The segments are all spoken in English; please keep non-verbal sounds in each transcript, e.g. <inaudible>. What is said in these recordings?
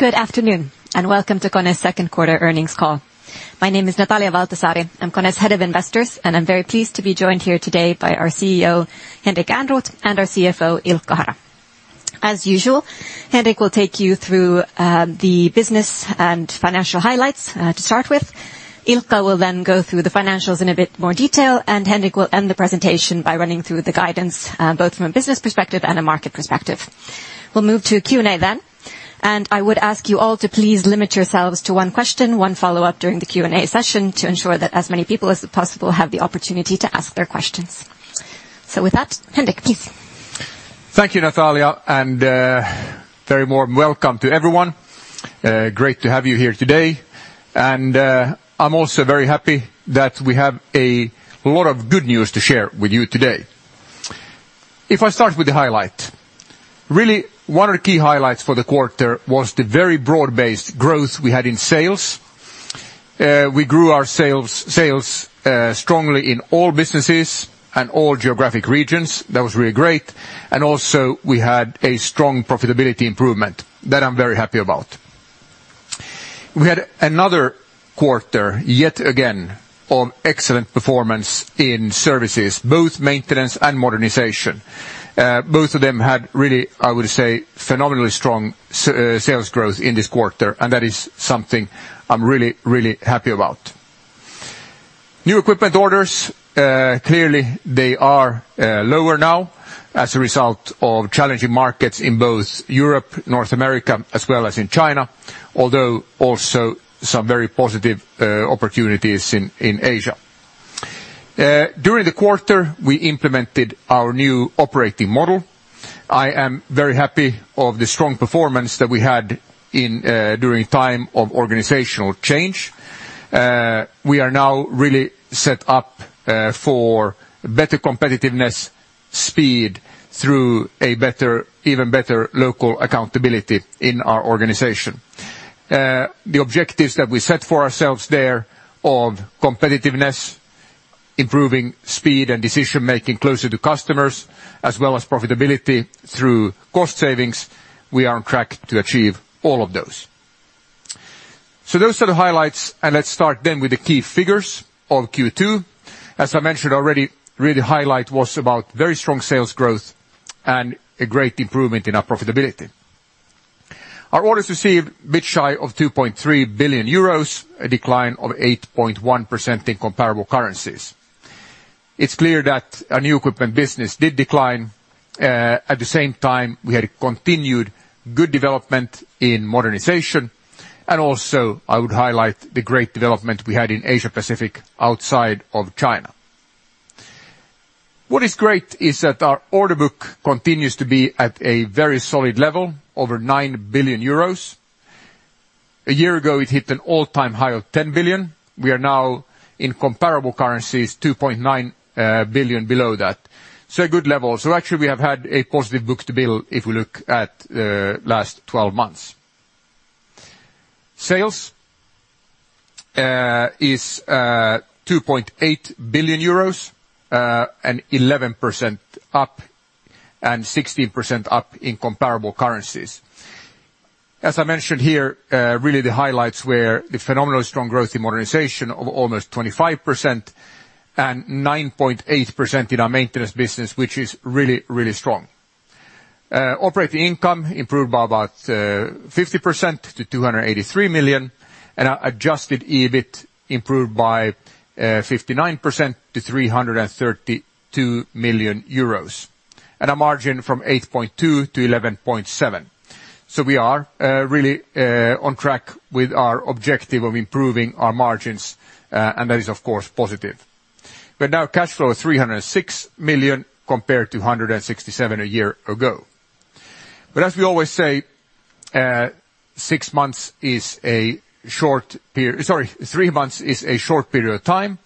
Good afternoon, welcome to KONE's second quarter earnings call. My name is Natalia Valtasaari. I'm KONE's Head of Investors, and I'm very pleased to be joined here today by our CEO, Henrik Ehrnrooth, and our CFO, Ilkka Hara. As usual, Henrik will take you through the business and financial highlights to start with. Ilkka will then go through the financials in a bit more detail, and Henrik will end the presentation by running through the guidance both from a business perspective and a market perspective. We'll move to Q&A then, and I would ask you all to please limit yourselves to one question, one follow-up during the Q&A session to ensure that as many people as possible have the opportunity to ask their questions. With that, Henrik, please. Thank you, Natalia, very warm welcome to everyone. Great to have you here today. I'm also very happy that we have a lot of good news to share with you today. If I start with the highlight, really, one of the key highlights for the quarter was the very broad-based growth we had in sales. We grew our sales strongly in all businesses and all geographic regions. That was really great, also we had a strong profitability improvement. That I'm very happy about. We had another quarter, yet again, of excellent performance in services, both maintenance and modernization. Both of them had really, I would say, phenomenally strong sales growth in this quarter, and that is something I'm really, really happy about. New equipment orders, clearly, they are lower now as a result of challenging markets in both Europe, North America, as well as in China, although also some very positive opportunities in Asia. During the quarter, we implemented our new operating model. I am very happy of the strong performance that we had during time of organizational change. We are now really set up for better competitiveness, speed, through a better, even better local accountability in our organization. The objectives that we set for ourselves there of competitiveness, improving speed and decision-making closer to customers, as well as profitability through cost savings, we are on track to achieve all of those. Those are the highlights. Let's start then with the key figures of second quarter. As I mentioned already, really highlight was about very strong sales growth and a great improvement in our profitability. Our orders received a bit shy of 2.3 billion euros, a decline of 8.1% in comparable currencies. It's clear that our new equipment business did decline. At the same time, we had a continued good development in modernization, and also, I would highlight the great development we had in Asia Pacific outside of China. What is great is that our order book continues to be at a very solid level, over 9 billion euros. A year ago, it hit an all-time high of 10 billion. We are now, in comparable currencies, 2.9 billion below that. A good level. Actually, we have had a positive book-to-bill if we look at the last 12 months. Sales is EUR 2.8 billion, 11% up, 16% up in comparable currencies. As I mentioned here, really the highlights were the phenomenally strong growth in modernization of almost 25% and 9.8% in our maintenance business, which is really, really strong. Operating income improved by about 50% to 283 million. Our Adjusted EBIT improved by 59% to 332 million euros, a margin from 8.2% to 11.7%. We are really on track with our objective of improving our margins, that is, of course, positive. Now cash flow is 306 million, compared to 167 million a year ago. As we always say, six months is a short per... Sorry, three months is a short period of time.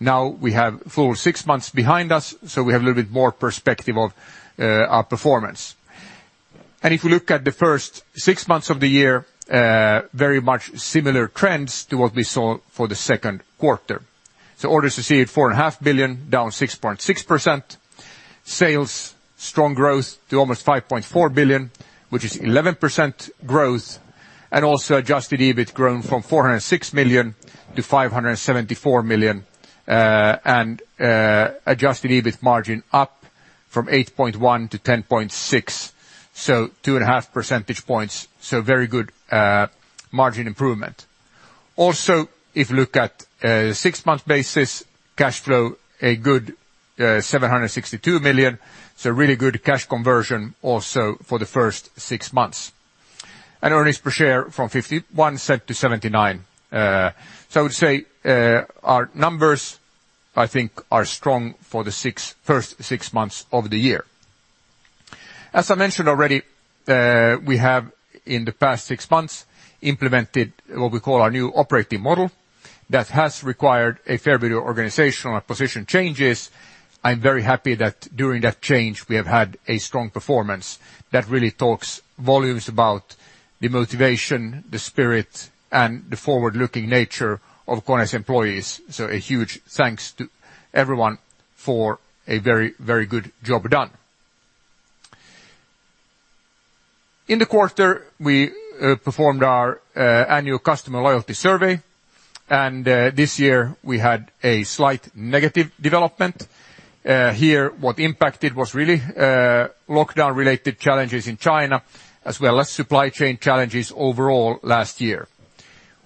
Now we have full six months behind us, so we have a little bit more perspective of our performance. If you look at the first six months of the year, very much similar trends to what we saw for the second quarter. Orders received 4.5 billion, down 6.6%. Sales, strong growth to almost 5.4 billion, which is 11% growth, and also Adjusted EBIT grown from 406 to 574 million. Adjusted EBIT margin up from 8.1 to 10.6, so 2.5 percentage points, so very good margin improvement. If you look at a six-month basis, cash flow, a good 762 million, so really good cash conversion also for the first six months. Earnings per share from 0.51 to 0.79. I would say our numbers, I think, are strong for the first six months of the year. As I mentioned already, we have, in the past six months, implemented what we call our new operating model. That has required a fair bit of organizational and position changes. I'm very happy that during that change, we have had a strong performance that really talks volumes about the motivation, the spirit, and the forward-looking nature of KONE's employees. A huge thanks to everyone for a very, very good job done. In the quarter, we performed our annual customer loyalty survey, this year we had a slight negative development. Here, what impacted was really lockdown-related challenges in China, as well as supply chain challenges overall last year.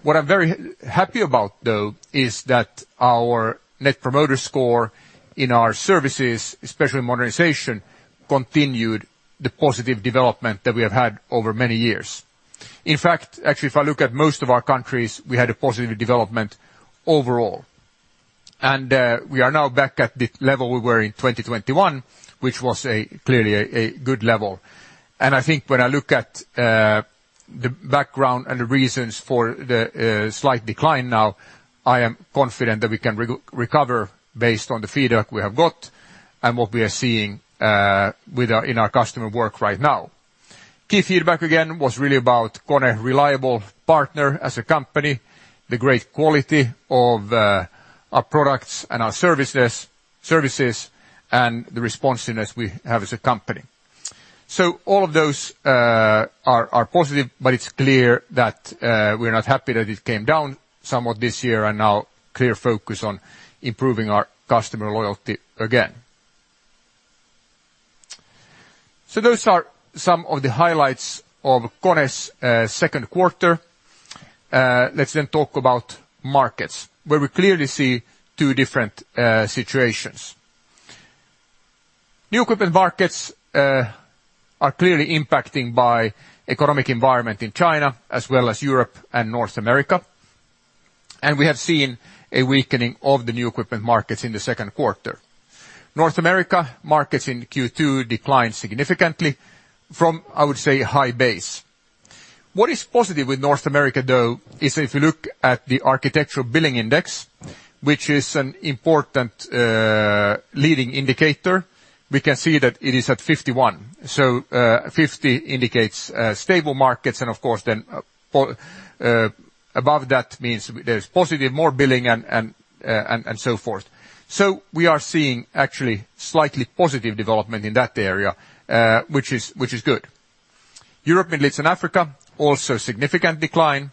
What I'm very happy about, though, is that our Net Promoter Score in our services, especially modernization, continued the positive development that we have had over many years. In fact, actually, if I look at most of our countries, we had a positive development overall. We are now back at the level we were in 2021, which was clearly a good level. When I look at the background and the reasons for the slight decline now, I am confident that we can re-recover based on the feedback we have got and what we are seeing with our, in our customer work right now. Key feedback, again, was really about KONE reliable partner as a company, the great quality of our products and our services, and the responsiveness we have as a company. All of those are positive, but it's clear that we're not happy that it came down somewhat this year, and now clear focus on improving our customer loyalty again. Those are some of the highlights of KONE's second quarter. Let's talk about markets, where we clearly see two different situations. New equipment markets are clearly impacting by economic environment in China as well as Europe and North America. We have seen a weakening of the new equipment markets in the second quarter. North America markets in second quarter declined significantly from, I would say, a high base. What is positive with North America, though, is if you look at the Architecture Billings Index, which is an important leading indicator, we can see that it is at 51. 50 indicates stable markets, and of course, then above that means there's positive, more billing and so forth. We are seeing actually slightly positive development in that area, which is good. Europe, Middle East and Africa, also significant decline.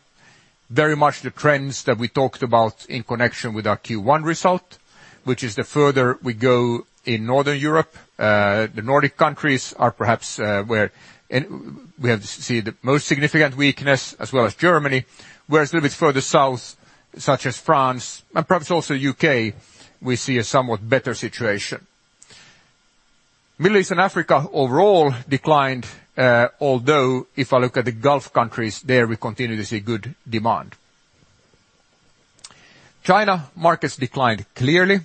Very much the trends that we talked about in connection with our first quarter result, which is the further we go in Northern Europe, the Nordic countries are perhaps where, and we have see the most significant weakness, as well as Germany. Whereas a little bit further south, such as France and perhaps also UK, we see a somewhat better situation. Middle East and Africa overall declined, although if I look at the Gulf countries, there we continue to see good demand. China markets declined clearly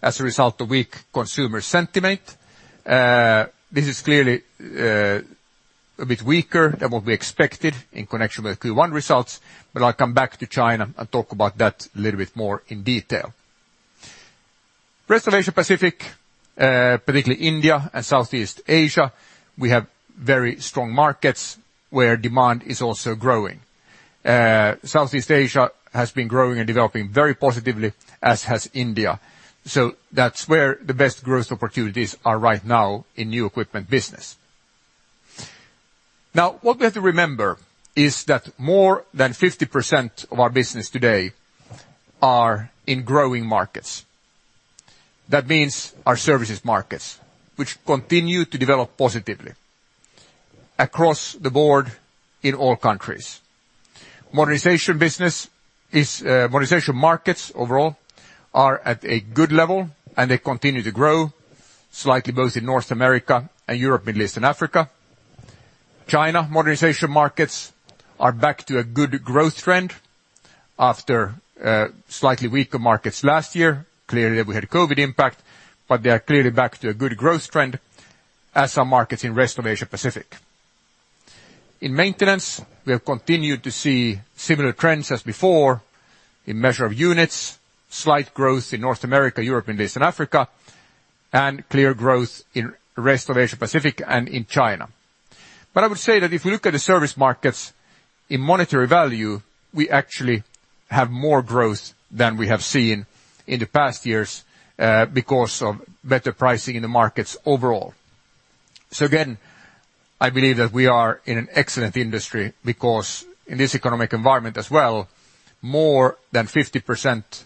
as a result of weak consumer sentiment. This is clearly a bit weaker than what we expected in connection with first quarter results, but I'll come back to China and talk about that a little bit more in detail. Rest of Asia Pacific, particularly India and Southeast Asia, we have very strong markets where demand is also growing. Southeast Asia has been growing and developing very positively, as has India. That's where the best growth opportunities are right now in new equipment business. Now, what we have to remember is that more than 50% of our business today are in growing markets. That means our services markets, which continue to develop positively across the board in all countries. Modernization business is modernization markets overall are at a good level, and they continue to grow slightly, both in North America and Europe, Middle East and Africa. China modernization markets are back to a good growth trend after slightly weaker markets last year. Clearly, we had a COVID impact, but they are clearly back to a good growth trend as are markets in rest of Asia-Pacific. In maintenance, we have continued to see similar trends as before in measure of units, slight growth in North America, Europe, Middle East and Africa, and clear growth in rest of Asia-Pacific and in China. I would say that if you look at the service markets in monetary value, we actually have more growth than we have seen in the past years because of better pricing in the markets overall. Again, I believe that we are in an excellent industry because in this economic environment as well, more than 50%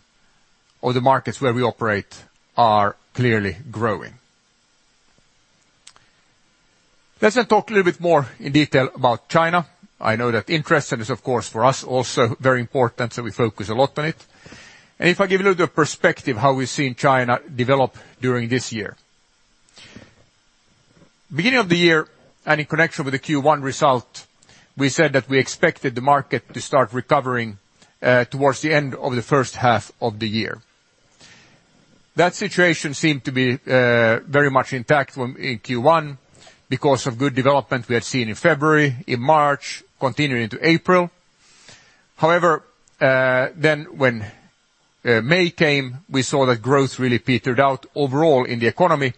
of the markets where we operate are clearly growing. Let's talk a little bit more in detail about China. I know that interest is of course, for us also very important, so we focus a lot on it. If I give you a little perspective, how we've seen China develop during this year. Beginning of the year, and in connection with the first quarter result, we said that we expected the market to start recovering towards the end of the first half of the year. That situation seemed to be very much intact when in first quarter because of good development we had seen in February, in March, continuing into April. However, then when May came, we saw that growth really petered out overall in the economy,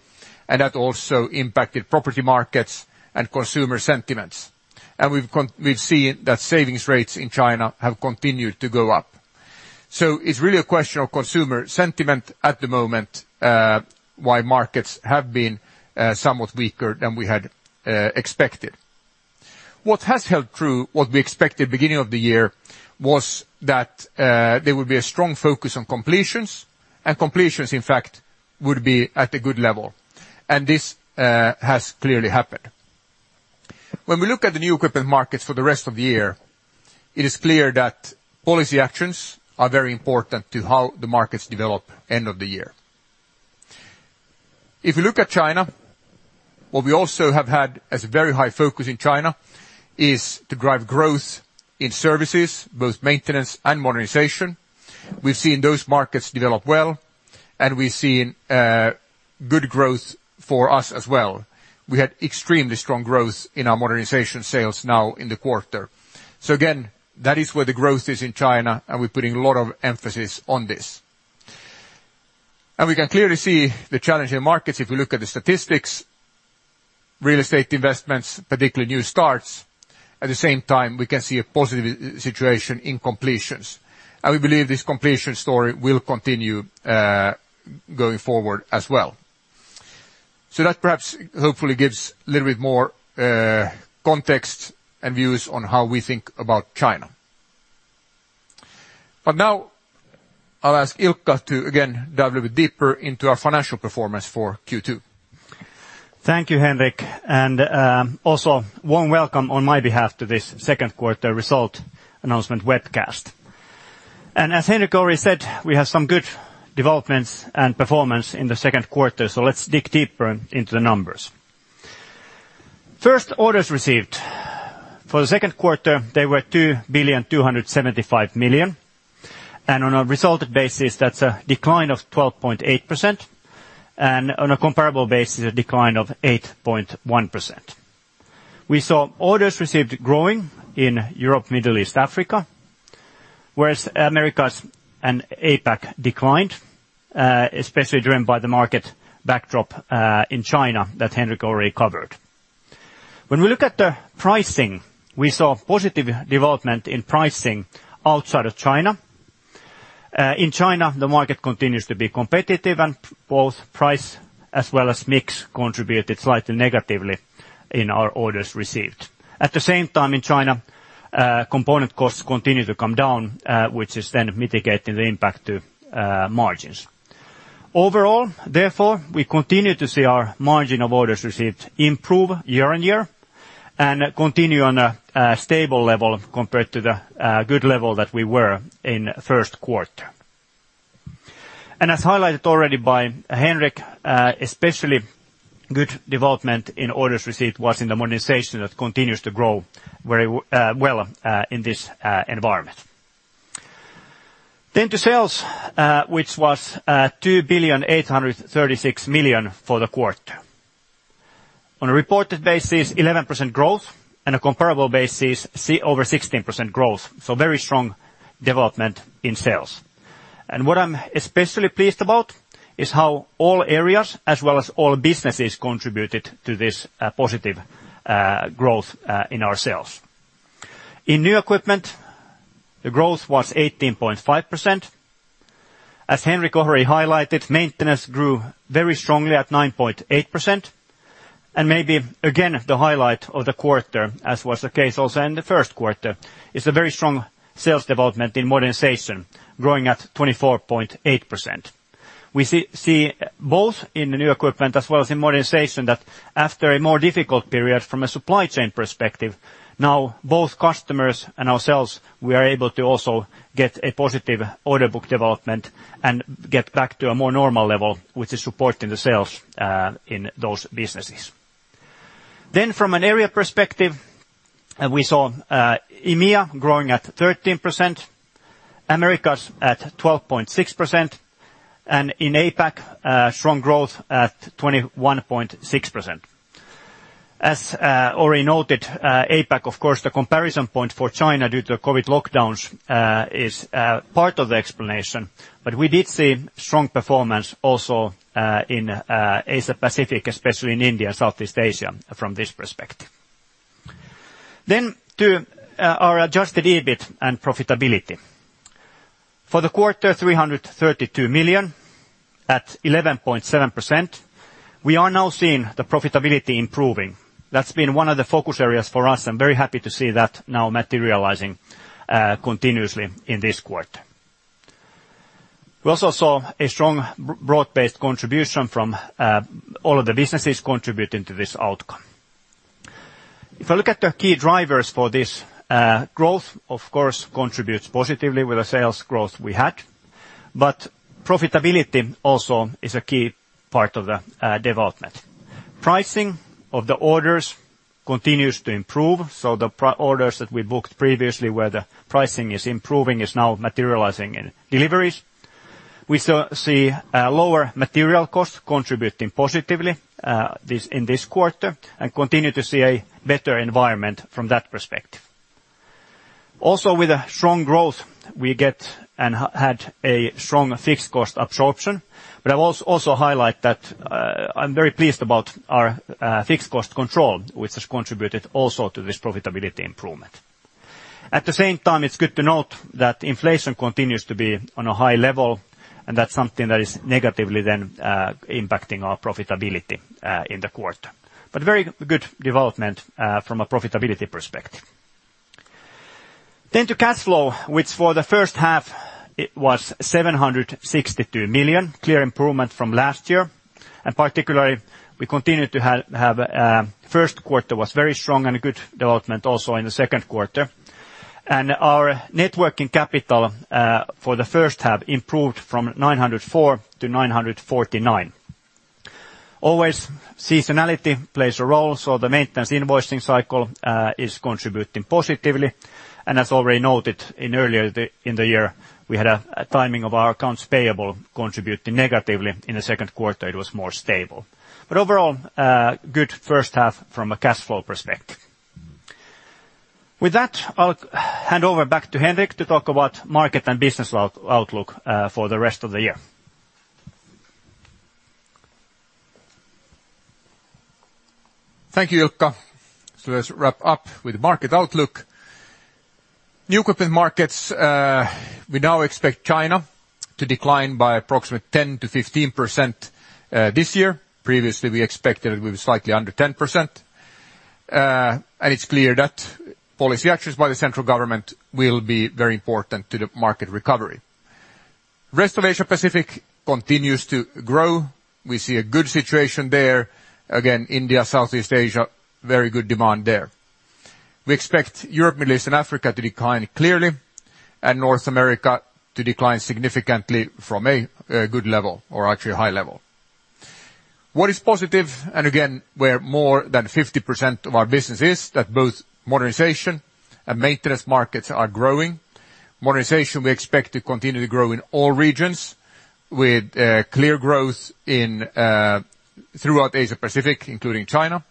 and that also impacted property markets and consumer sentiments. We've seen that savings rates in China have continued to go up. It's really a question of consumer sentiment at the moment why markets have been somewhat weaker than we had expected. What has held true, what we expected beginning of the year, was that there would be a strong focus on completions, and completions, in fact, would be at a good level, and this has clearly happened. When we look at the new equipment markets for the rest of the year, it is clear that policy actions are very important to how the markets develop end of the year. If you look at China, what we also have had as a very high focus in China, is to drive growth in services, both maintenance and modernization. We've seen those markets develop well, and we've seen good growth for us as well. We had extremely strong growth in our modernization sales now in the quarter. Again, that is where the growth is in China, and we're putting a lot of emphasis on this. We can clearly see the challenging markets if we look at the statistics, real estate investments, particularly new starts. At the same time, we can see a positive situation in completions, and we believe this completion story will continue going forward as well. That perhaps, hopefully gives a little bit more context and views on how we think about China. Now I'll ask Ilkka to again dive a bit deeper into our financial performance for second quarter. Thank you, Henrik, and also warm welcome on my behalf to this second quarter result announcement webcast. As Henrik already said, we have some good developments and performance in the second quarter, so let's dig deeper into the numbers. First, orders received. For the second quarter, they were 2,275 million, and on a resulted basis, that's a decline of 12.8%, and on a comparable basis, a decline of 8.1%. We saw orders received growing in Europe, Middle East, Africa, whereas Americas and APAC declined, especially driven by the market backdrop in China, that Henrik already covered. When we look at the pricing, we saw positive development in pricing outside of China. In China, the market continues to be competitive, and both price as well as mix contributed slightly negatively in our orders received. At the same time in China, component costs continue to come down, which is then mitigating the impact to margins. Overall, therefore, we continue to see our margin of orders received improve year-on-year, and continue on a stable level compared to the good level that we were in first quarter. As highlighted already by Henrik, especially good development in orders received was in the modernization that continues to grow very well in this environment. To sales, which was 2.836 billion for the quarter. On a reported basis, 11% growth, and a comparable basis, see over 16% growth, so very strong development in sales. What I'm especially pleased about is how all areas, as well as all businesses, contributed to this positive growth in our sales. In new equipment, the growth was 18.5%. As Henrik already highlighted, maintenance grew very strongly at 9.8%. Maybe again, the highlight of the quarter, as was the case also in the first quarter, is a very strong sales development in modernization, growing at 24.8%. We see both in the new equipment as well as in modernization, that after a more difficult period from a supply chain perspective, now both customers and ourselves, we are able to also get a positive order book development and get back to a more normal level, which is supporting the sales in those businesses. From an area perspective, we saw EMEA growing at 13%, Americas at 12.6%, and in APAC, strong growth at 21.6%. As already noted, APAC, of course, the comparison point for China due to COVID lockdowns, is part of the explanation, but we did see strong performance also in Asia Pacific, especially in India and Southeast Asia from this perspective. To our adjusted EBIT and profitability. For the quarter, 332 million at 11.7%, we are now seeing the profitability improving. That's been one of the focus areas for us. I'm very happy to see that now materializing continuously in this quarter. We also saw a strong broad-based contribution from all of the businesses contributing to this outcome. If I look at the key drivers for this growth, of course, contributes positively with the sales growth we had, but profitability also is a key part of the development. Pricing of the orders continues to improve, so the orders that we booked previously, where the pricing is improving, is now materializing in deliveries. We still see lower material costs contributing positively this, in this quarter, and continue to see a better environment from that perspective. With a strong growth, we get and had a strong fixed cost absorption, but I will also highlight that I'm very pleased about our fixed cost control, which has contributed also to this profitability improvement. At the same time, it's good to note that inflation continues to be on a high level, and that's something that is negatively then impacting our profitability in the quarter. Very good development from a profitability perspective. To cash flow, which for the first half, it was 762 million, clear improvement from last year, and particularly, we continued to have a first quarter was very strong and a good development also in the second quarter. Our Net working capital for the first half improved from 904 to 949. Always, seasonality plays a role, so the maintenance invoicing cycle is contributing positively. As already noted, in the year, we had a timing of our accounts payable contributing negatively. In the second quarter, it was more stable. Overall, a good first half from a cash flow perspective. With that, I'll hand over back to Henrik to talk about market and business outlook for the rest of the year. Thank you, Ilkka. Let's wrap up with the market outlook. New equipment markets, we now expect China to decline by approximately 10% to 15% this year. Previously, we expected it with slightly under 10%. It's clear that policy actions by the central government will be very important to the market recovery. Rest of Asia Pacific continues to grow. We see a good situation there. Again, India, Southeast Asia, very good demand there. We expect Europe, Middle East, and Africa to decline clearly, and North America to decline significantly from a good level, or actually a high level. What is positive, and again, where more than 50% of our business is, that both modernization and maintenance markets are growing. Modernization, we expect to continue to grow in all regions with clear growth in throughout Asia Pacific, including China.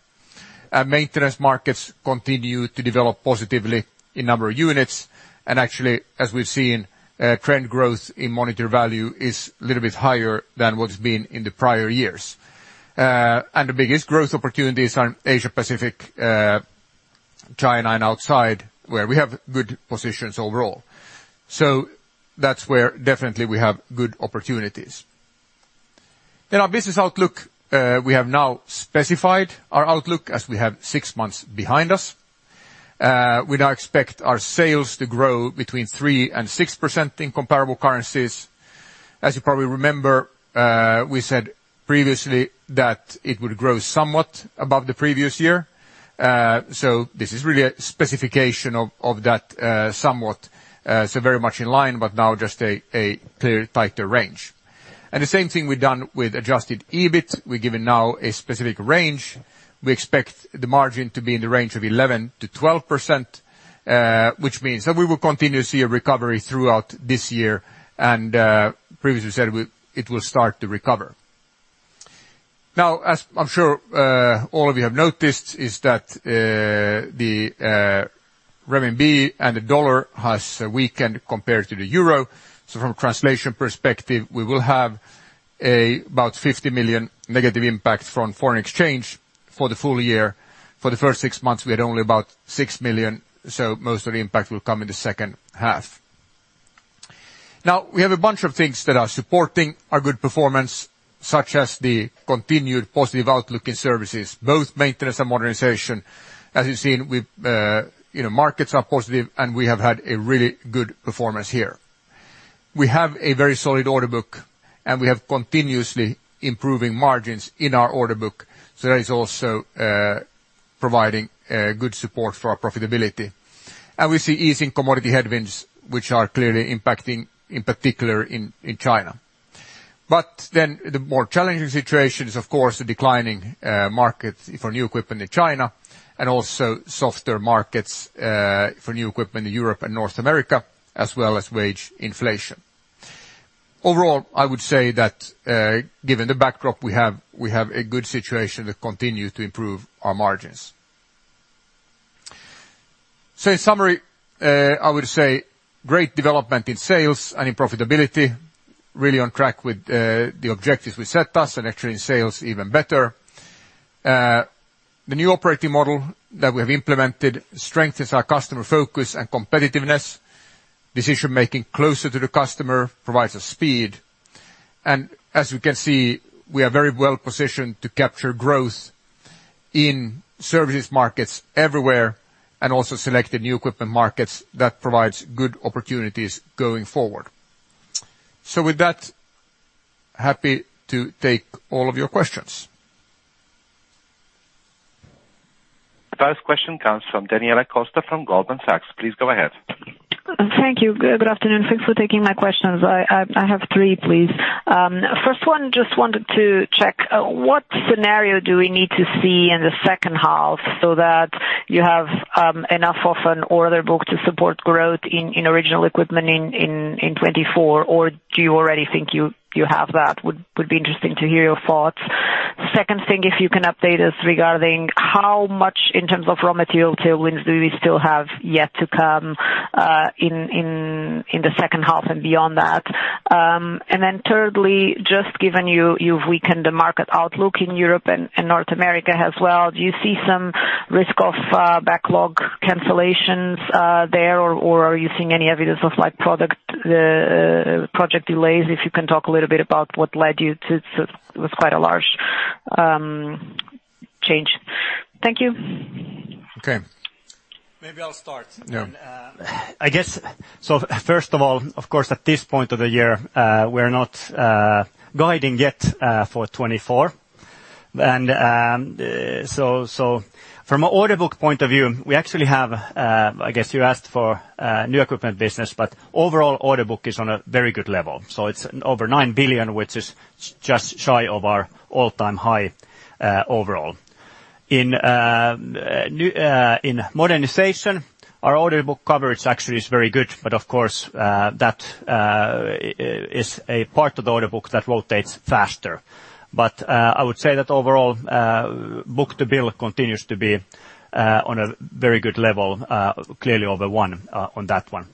Maintenance markets continue to develop positively in number of units, actually, as we've seen, trend growth in monitor value is a little bit higher than what it's been in the prior years. The biggest growth opportunities are in Asia Pacific, China and outside, where we have good positions overall. That's where definitely we have good opportunities. Our business outlook, we have now specified our outlook as we have six months behind us. We now expect our sales to grow between 3% and 6% in comparable currencies. As you probably remember, we said previously that it would grow somewhat above the previous year. This is really a specification of that somewhat, very much in line, but now just a clear tighter range. The same thing we've done with Adjusted EBIT. We're giving now a specific range. We expect the margin to be in the range of 11% to 12%, which means that we will continue to see a recovery throughout this year. Previously said it will start to recover. As I'm sure all of you have noticed, is that the renminbi and the dollar has weakened compared to the euro. From a translation perspective, we will have about 50 million negative impact from foreign exchange for the full year. For the first six months, we had only about 6 million, so most of the impact will come in the second half. We have a bunch of things that are supporting our good performance, such as the continued positive outlook in services, both maintenance and modernization. As you've seen, we've, you know, markets are positive. We have had a really good performance here. We have a very solid order book, and we have continuously improving margins in our order book. That is also providing good support for our profitability. We see easing commodity headwinds, which are clearly impacting, in particular in China. The more challenging situation is, of course, the declining market for new equipment in China, and also softer markets for new equipment in Europe and North America, as well as wage inflation. Overall, I would say that given the backdrop we have, we have a good situation that continues to improve our margins. In summary, I would say great development in sales and in profitability, really on track with the objectives we set us, and actually in sales, even better. The new operating model that we have implemented strengthens our customer focus and competitiveness, decision-making closer to the customer, provides us speed. As you can see, we are very well positioned to capture growth in services markets everywhere, and also selected new equipment markets that provides good opportunities going forward. With that, happy to take all of your questions. First question comes from Daniela Costa, from Goldman Sachs. Please go ahead. Thank you. Good afternoon. Thanks for taking my questions. I have three, please. First one, just wanted to check what scenario do we need to see in the second half so that you have enough of an order book to support growth in original equipment in 2024? Or do you already think you have that? Would be interesting to hear your thoughts. Second thing, if you can update us regarding how much in terms of raw material tailwinds do we still have yet to come in the second half and beyond that? Thirdly, just given you've weakened the market outlook in Europe and North America as well, do you see some risk of backlog cancellations there? Or are you seeing any evidence of like, product project delays? If you can talk a little bit about what led you it was quite a large change. Thank you. Okay. Maybe I'll start. Yeah. I guess, first of all, of course, at this point of the year, we're not guiding yet for 2024. From an order book point of view, we actually have, I guess you asked for new equipment business, but overall order book is on a very good level. It's over 9 billion, which is just shy of our all-time high overall. In new in modernization, our order book coverage actually is very good, but of course, that is a part of the order book that rotates faster. I would say that overall book-to-bill continues to be on a very good level, clearly over one on that one.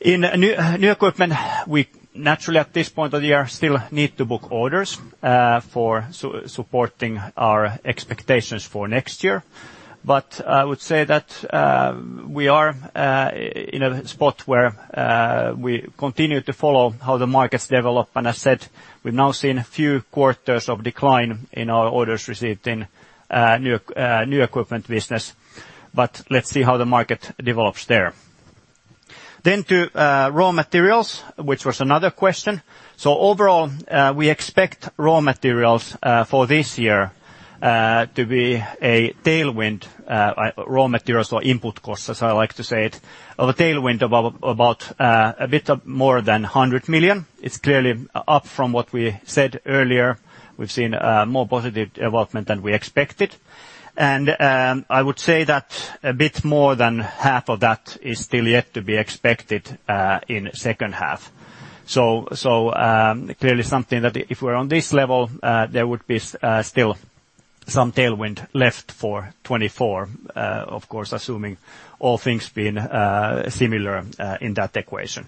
In new equipment, we naturally, at this point of the year, still need to book orders for supporting our expectations for next year. I would say that we are in a spot where we continue to follow how the markets develop. As I said, we've now seen a few quarters of decline in our orders received in new equipment business. Let's see how the market develops there. To raw materials, which was another question. Overall, we expect raw materials for this year to be a tailwind, raw materials or input costs, as I like to say it, of a tailwind of about a bit of more than 100 million. It's clearly up from what we said earlier. We've seen more positive development than we expected. I would say that a bit more than half of that is still yet to be expected in second half. Clearly something that if we're on this level, there would be still some tailwind left for 2024, of course, assuming all things being similar in that equation.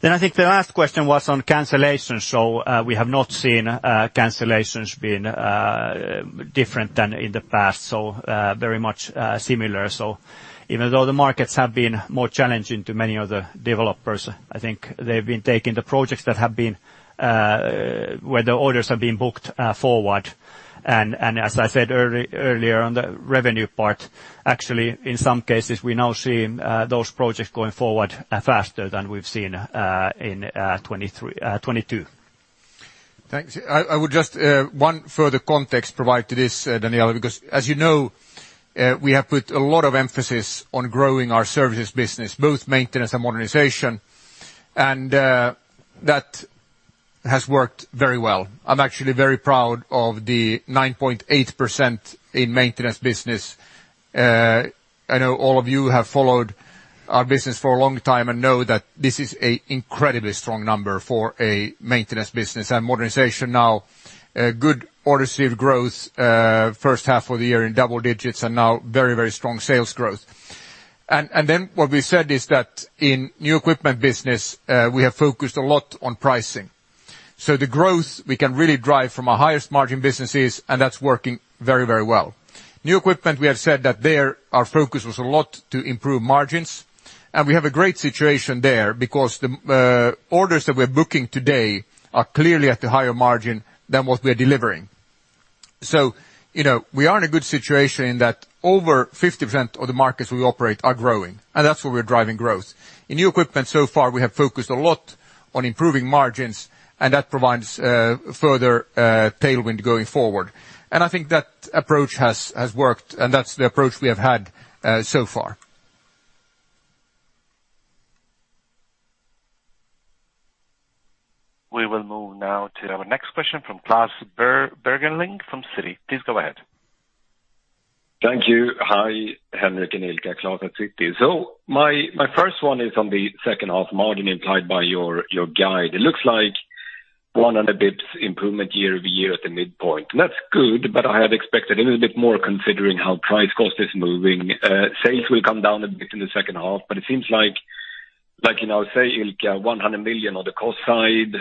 I think the last question was on cancellations. We have not seen cancellations being different than in the past, very much similar. Even though the markets have been more challenging to many of the developers, I think they've been taking the projects that have been Where the orders have been booked forward. As I said earlier on the revenue part, actually, in some cases, we're now seeing, those projects going forward, faster than we've seen, in 2023, 2022. Thanks. I would just one further context provide to this Daniela, because as you know, we have put a lot of emphasis on growing our services business, both maintenance and modernization, and that has worked very well. I'm actually very proud of the 9.8% in maintenance business. I know all of you have followed our business for a long time and know that this is an incredibly strong number for a maintenance business and modernization now. A good order received growth, first half of the year in double digits, and now very, very strong sales growth. What we said is that in new equipment business, we have focused a lot on pricing. The growth we can really drive from our highest margin businesses, and that's working very, very well. New equipment, we have said that there, our focus was a lot to improve margins, we have a great situation there because the orders that we're booking today are clearly at the higher margin than what we are delivering. you know, we are in a good situation in that over 50% of the markets we operate are growing, that's where we're driving growth. In new equipment so far, we have focused a lot on improving margins, that provides further tailwind going forward. I think that approach has worked, that's the approach we have had so far. We will move now to our next question from Klas Bergelind from Citi. Please go ahead. Thank you. Hi, Henrik and Ilka, Klas at Citi. My first one is on the second half margin implied by your guide. It looks like 100 BPS improvement year-over-year at the midpoint. That's good, I had expected a little bit more considering how price cost is moving. Sales will come down a bit in the second half, it seems like, you know, say Ilka, 100 million on the cost side,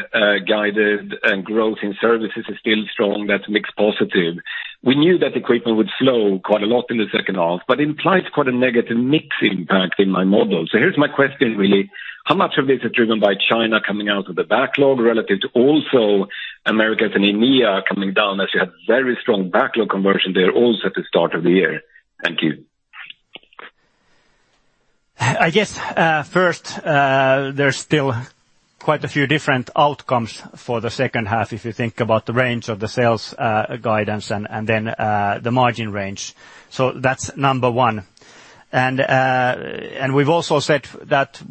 guided and growth in services is still strong. That's mixed positive. We knew that equipment would slow quite a lot in the second half, it implies quite a negative mix impact in my model. Here's my question really: How much of this is driven by China coming out of the backlog relative to also Americas and EMEA coming down, as you had very strong backlog conversion there also at the start of the year? Thank you. I guess, first, there's still quite a few different outcomes for the second half, if you think about the range of the sales, guidance and then, the margin range. That's number one. We've also said that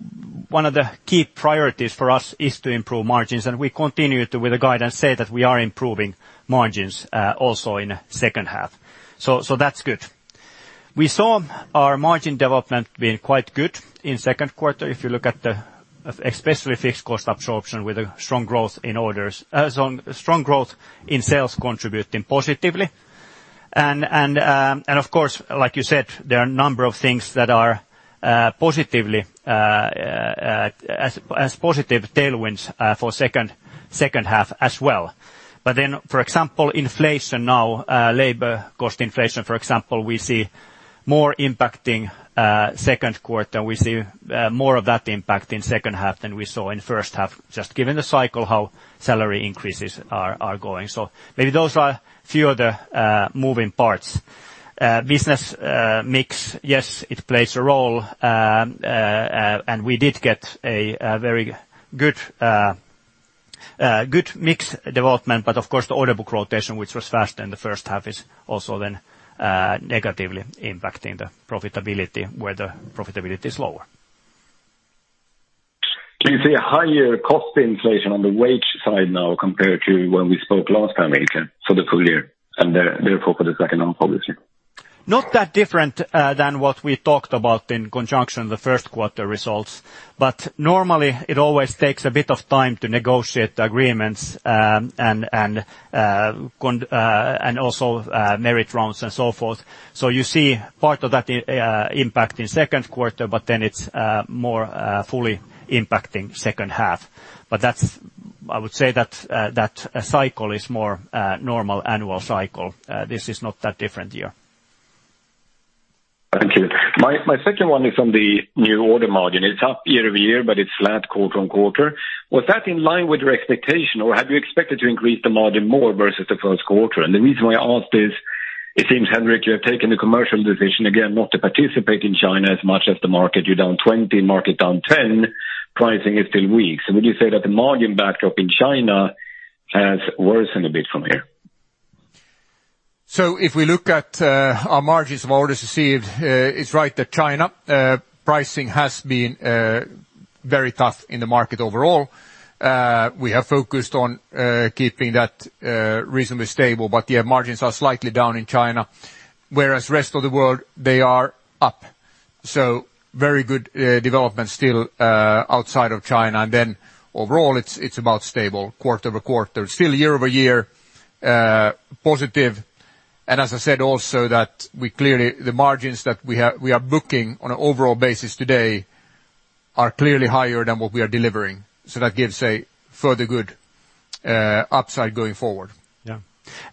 one of the key priorities for us is to improve margins, and we continue to, with the guidance, say that we are improving margins, also in second half. That's good. We saw our margin development being quite good in second quarter, if you look at the especially fixed cost absorption with a strong growth in orders. As on strong growth in sales contributing positively. Of course, like you said, there are a number of things that are, positively, as positive tailwinds, for second half as well. For example, inflation now, labor cost inflation, for example, we see more impacting second quarter, we see more of that impact in second half than we saw in first half, just given the cycle, how salary increases are going. Maybe those are a few of the moving parts. Business mix, yes, it plays a role, and we did get a very good good mix development, but of course, the order book rotation, which was fast in the first half, is also then negatively impacting the profitability, where the profitability is lower. Can you see a higher cost inflation on the wage side now compared to when we spoke last time, Ilkka, for the full year, and therefore for the second half, obviously? Not that different than what we talked about in conjunction the first quarter results. Normally it always takes a bit of time to negotiate the agreements, and also merit rounds and so forth. You see part of that impact in second quarter, then it's more fully impacting second half. I would say that that cycle is more normal annual cycle. This is not that different year. Thank you. My second one is on the new order margin. It's up year-over-year, but it's flat quarter-on-quarter. Was that in line with your expectation, or had you expected to increase the margin more versus the first quarter? The reason why I ask this, it seems, Henrik, you have taken the commercial decision again, not to participate in China as much as the market. You're down 20%, market down 10%, pricing is still weak. Would you say that the margin backdrop in China has worsened a bit from here? If we look at our margins of orders received, it's right that China pricing has been very tough in the market overall. We have focused on keeping that reasonably stable, but, yeah, margins are slightly down in China, whereas rest of the world, they are up. Very good development still outside of China. Overall, it's about stable quarter-over-quarter. It's still year-over-year positive. As I said, also, that the margins that we are booking on an overall basis today are clearly higher than what we are delivering, so that gives a further good upside going forward. Yeah.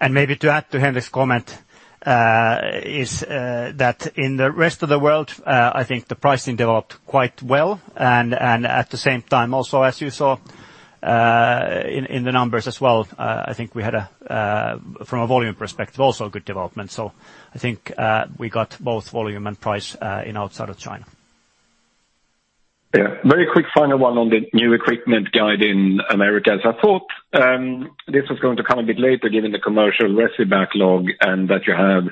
Maybe to add to Henrik's comment, is that in the rest of the world, I think the pricing developed quite well. At the same time, also, as you saw, in the numbers as well, I think we had a, from a volume perspective, also a good development. I think we got both volume and price in outside of China. Yeah. Very quick, final one on the new equipment guide in America. As I thought, this was going to come a bit later, given the commercial resi backlog and that you have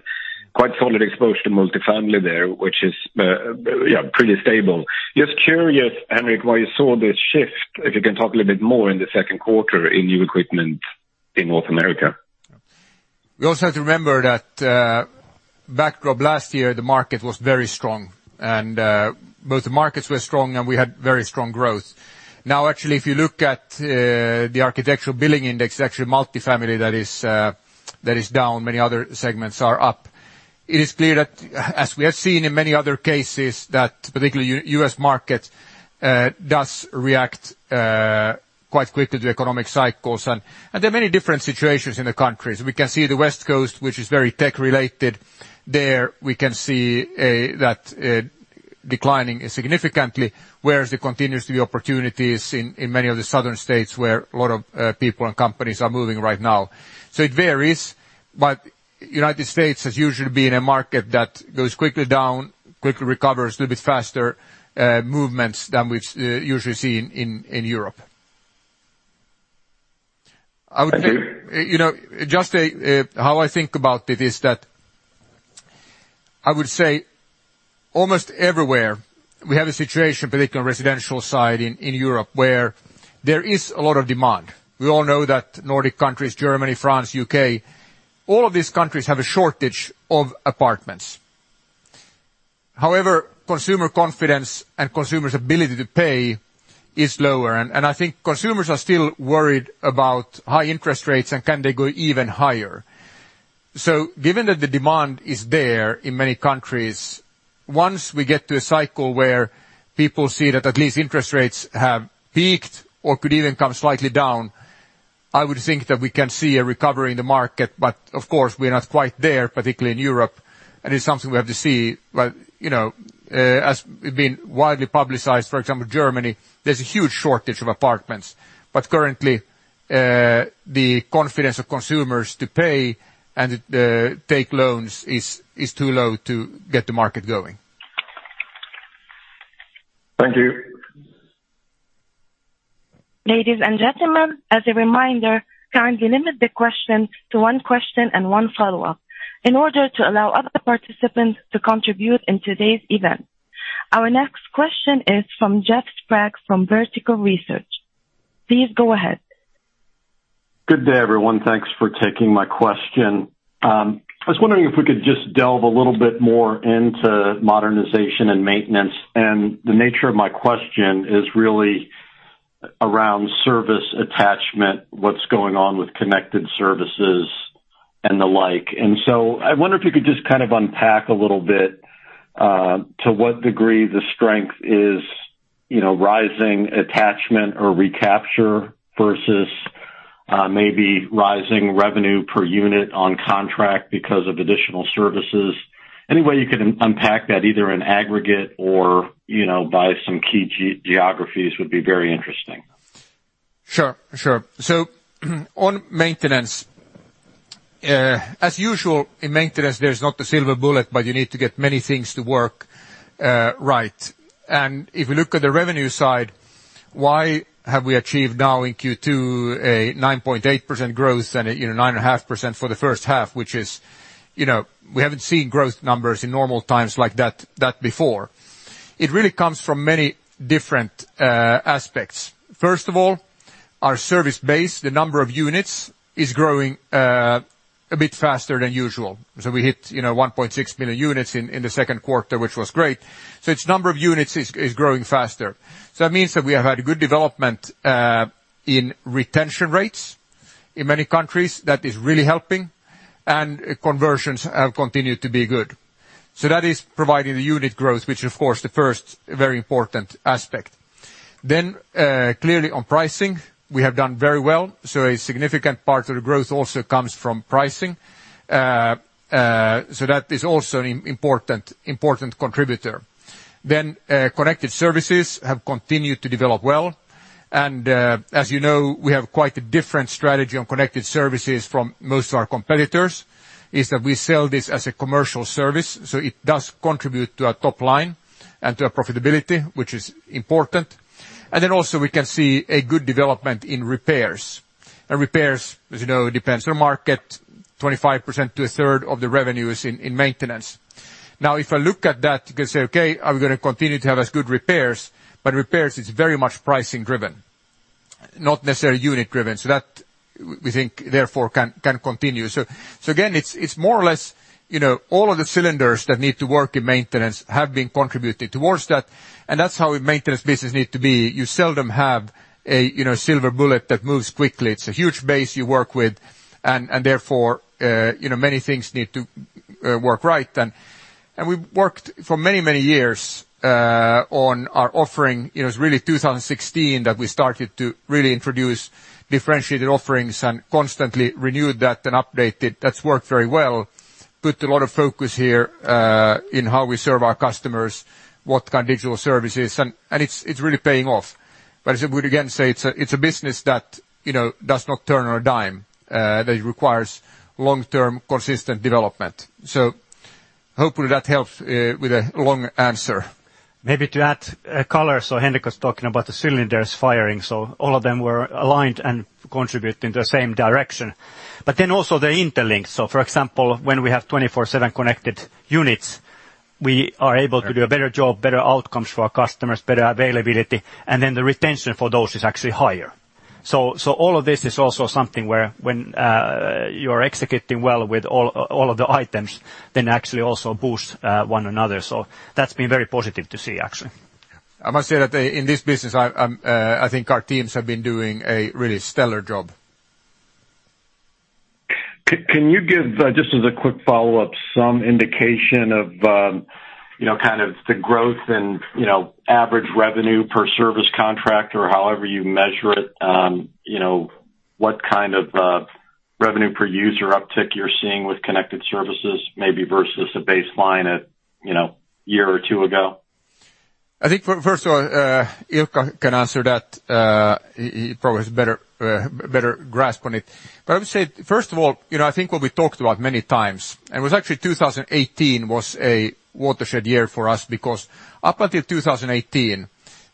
quite solid exposure to multifamily there, which is, yeah, pretty stable. Just curious, Henrik, why you saw this shift, if you can talk a little bit more in the second quarter in new equipment in North America? We also have to remember that backdrop last year, the market was very strong, and both the markets were strong, and we had very strong growth. Now, actually, if you look at the Architecture Billings Index, it's actually multifamily that is down, many other segments are up. It is clear that, as we have seen in many other cases, that particularly US market does react quite quickly to economic cycles. There are many different situations in the countries. We can see the West Coast, which is very tech related. There, we can see that declining significantly, whereas there continues to be opportunities in many of the southern states where a lot of people and companies are moving right now. It varies, but United States has usually been a market that goes quickly down, quickly recovers, a little bit faster movements than we've usually see in Europe. Thank you. I would say, you know, just, how I think about it is that I would say almost everywhere we have a situation, particularly on residential side in Europe, where there is a lot of demand. We all know that Nordic countries, Germany, France, UK, all of these countries have a shortage of apartments. However, consumer confidence and consumers' ability to pay is lower, and I think consumers are still worried about high interest rates and can they go even higher. Given that the demand is there in many countries, once we get to a cycle where people see that at least interest rates have peaked or could even come slightly down, I would think that we can see a recovery in the market. Of course, we are not quite there, particularly in Europe, and it's something we have to see. You know, as been widely publicized, for example, Germany, there's a huge shortage of apartments, but currently, the confidence of consumers to pay and, take loans is too low to get the market going. Thank you. Ladies and gentlemen, as a reminder, kindly limit the question to one question and one follow-up in order to allow other participants to contribute in today's event. Our next question is from Jeffrey Sprague from Vertical Research. Please go ahead. Good day, everyone. Thanks for taking my question. I was wondering if we could just delve a little bit more into modernization and maintenance. The nature of my question is really around service attachment, what's going on with Connected Services and the like. I wonder if you could just kind of unpack a little bit to what degree the strength is, you know, rising attachment or recapture versus maybe rising revenue per unit on contract because of additional services. Any way you could unpack that, either in aggregate or, you know, by some key geographies, would be very interesting. Sure, sure. On maintenance, as usual, in maintenance, there's not a silver bullet, but you need to get many things to work, right. If you look at the revenue side, why have we achieved now in second quarter a 9.8% growth and a, you know, 9.5% for the first half, which is, you know, we haven't seen growth numbers in normal times like that before. It really comes from many different aspects. First of all, our service base, the number of units, is growing a bit faster than usual. We hit, you know, 1.6 million units in the second quarter, which was great. It's number of units is growing faster. That means that we have had a good development in retention rates in many countries, that is really helping, and conversions have continued to be good. That is providing the unit growth, which of course, the first very important aspect. Clearly on pricing, we have done very well, so a significant part of the growth also comes from pricing. That is also an important contributor. Connected services have continued to develop well, and as you know, we have quite a different strategy on connected services from most of our competitors, is that we sell this as a commercial service, so it does contribute to our top line and to our profitability, which is important. Then also we can see a good development in repairs. Repairs, as you know, depends on market, 25% to a third of the revenue is in maintenance. If I look at that, you can say, "Okay, are we gonna continue to have as good repairs?" Repairs is very much pricing driven, not necessarily unit driven. That we think, therefore, can continue. Again, it's more or less, you know, all of the cylinders that need to work in maintenance have been contributing towards that, and that's how a maintenance business need to be. You seldom have a, you know, silver bullet that moves quickly. It's a huge base you work with, and therefore, you know, many things need to work right. We've worked for many, many years on our offering. You know, it's really 2016 that we started to really introduce differentiated offerings and constantly renewed that and updated. That's worked very well. Put a lot of focus here in how we serve our customers, what kind of digital services, and it's really paying off. I would again say it's a business that, you know, does not turn on a dime that requires long-term, consistent development. Hopefully that helps with a long answer. Maybe to add color, Henrik was talking about the cylinders firing, so all of them were aligned and contributing to the same direction. Also the interlinks. For example, when we have 24/7 Connected units, we are able to do a better job, better outcomes for our customers, better availability, and then the retention for those is actually higher. All of this is also something where when you are executing well with all of the items, then actually also boost one another. That's been very positive to see, actually. I must say that in this business, I'm, I think our teams have been doing a really stellar job. Can you give, just as a quick follow-up, some indication of, you know, kind of the growth and, you know, average revenue per service contract or however you measure it? You know, what kind of revenue per user uptick you're seeing with connected services, maybe versus a baseline at, you know, a year or two ago? I think first of all, Ilka can answer that. He probably has a better grasp on it. I would say, first of all, you know, I think what we talked about many times, and it was actually 2018 was a watershed year for us, because up until 2018,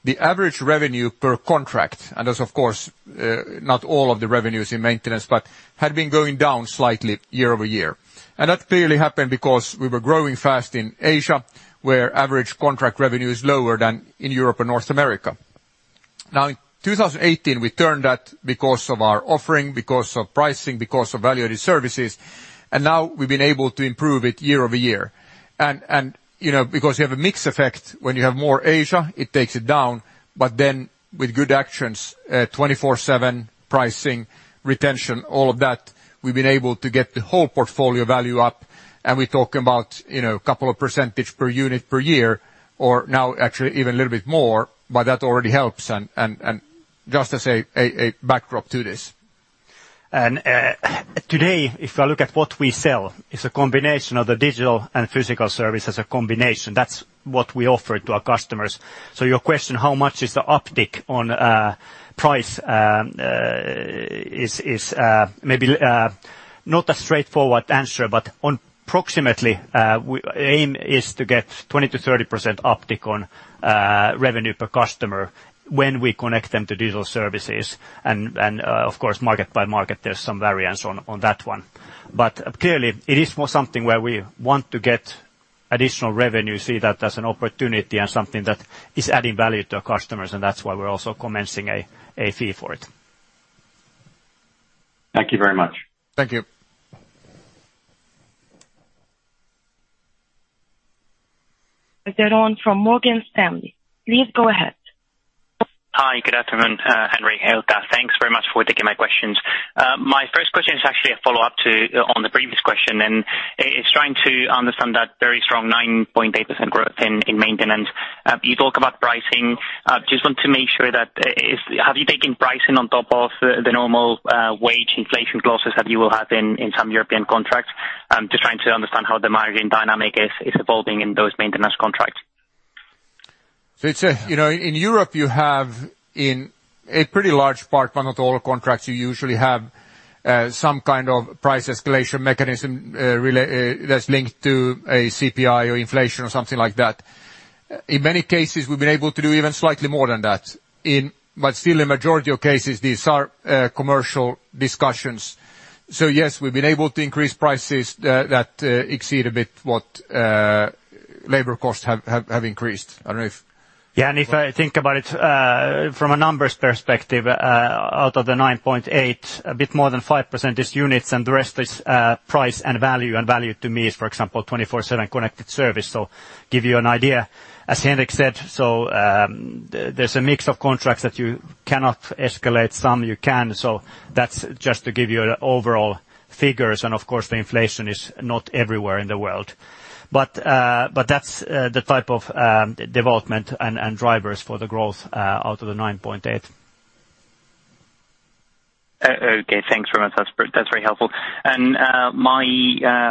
the average revenue per contract, and that's, of course, not all of the revenues in maintenance, but had been going down slightly year-over-year. That clearly happened because we were growing fast in Asia, where average contract revenue is lower than in Europe and North America. Now, in 2018, we turned that because of our offering, because of pricing, because of value-added services, and now we've been able to improve it year-over-year. You know, because you have a mix effect, when you have more Asia, it takes it down, but then with good actions, 24/7 pricing, retention, all of that, we've been able to get the whole portfolio value up, and we talk about, you know, a couple of percentage per unit per year, or now actually even a little bit more, but that already helps and just as a backdrop to this. Today, if I look at what we sell, it's a combination of the digital and physical service as a combination. That's what we offer to our customers. Your question, how much is the uptick on price is maybe not a straightforward answer. But on approximately, aim is to get 20% to 30% uptick on revenue per customer when we connect them to digital services, and, of course, market by market, there's some variance on that one. Clearly, it is more something where we want to get additional revenue, see that as an opportunity and something that is adding value to our customers, and that's why we're also commencing a fee for it. Thank you very much. Thank you. Calderon from Morgan Stanley. Please go ahead. Hi, good afternoon, Henrik, Ilkka. Thanks very much for taking my questions. My first question is actually a follow-up to, on the previous question, and it's trying to understand that very strong 9.8% growth in maintenance. You talk about pricing. I just want to make sure that have you taken pricing on top of the normal wage inflation clauses that you will have in some European contracts? I'm just trying to understand how the margin dynamic is evolving in those maintenance contracts. You know, in Europe, you have in a pretty large part, but not all contracts, you usually have some kind of price escalation mechanism that's linked to a CPI or inflation or something like that. In many cases, we've been able to do even slightly more than that, but still in majority of cases, these are commercial discussions. Yes, we've been able to increase prices that exceed a bit what labor costs have increased. Yeah, if I think about it, from a numbers perspective, out of the 9.8%, a bit more than 5% is units, and the rest is price and value. Value to me is, for example, 24/7 Connected service. Give you an idea, as Henrik said, there's a mix of contracts that you cannot escalate, some you can. That's just to give you an overall figures, and of course, the inflation is not everywhere in the world. That's the type of development and drivers for the growth out of the 9.8. Okay, thanks very much. That's very helpful. My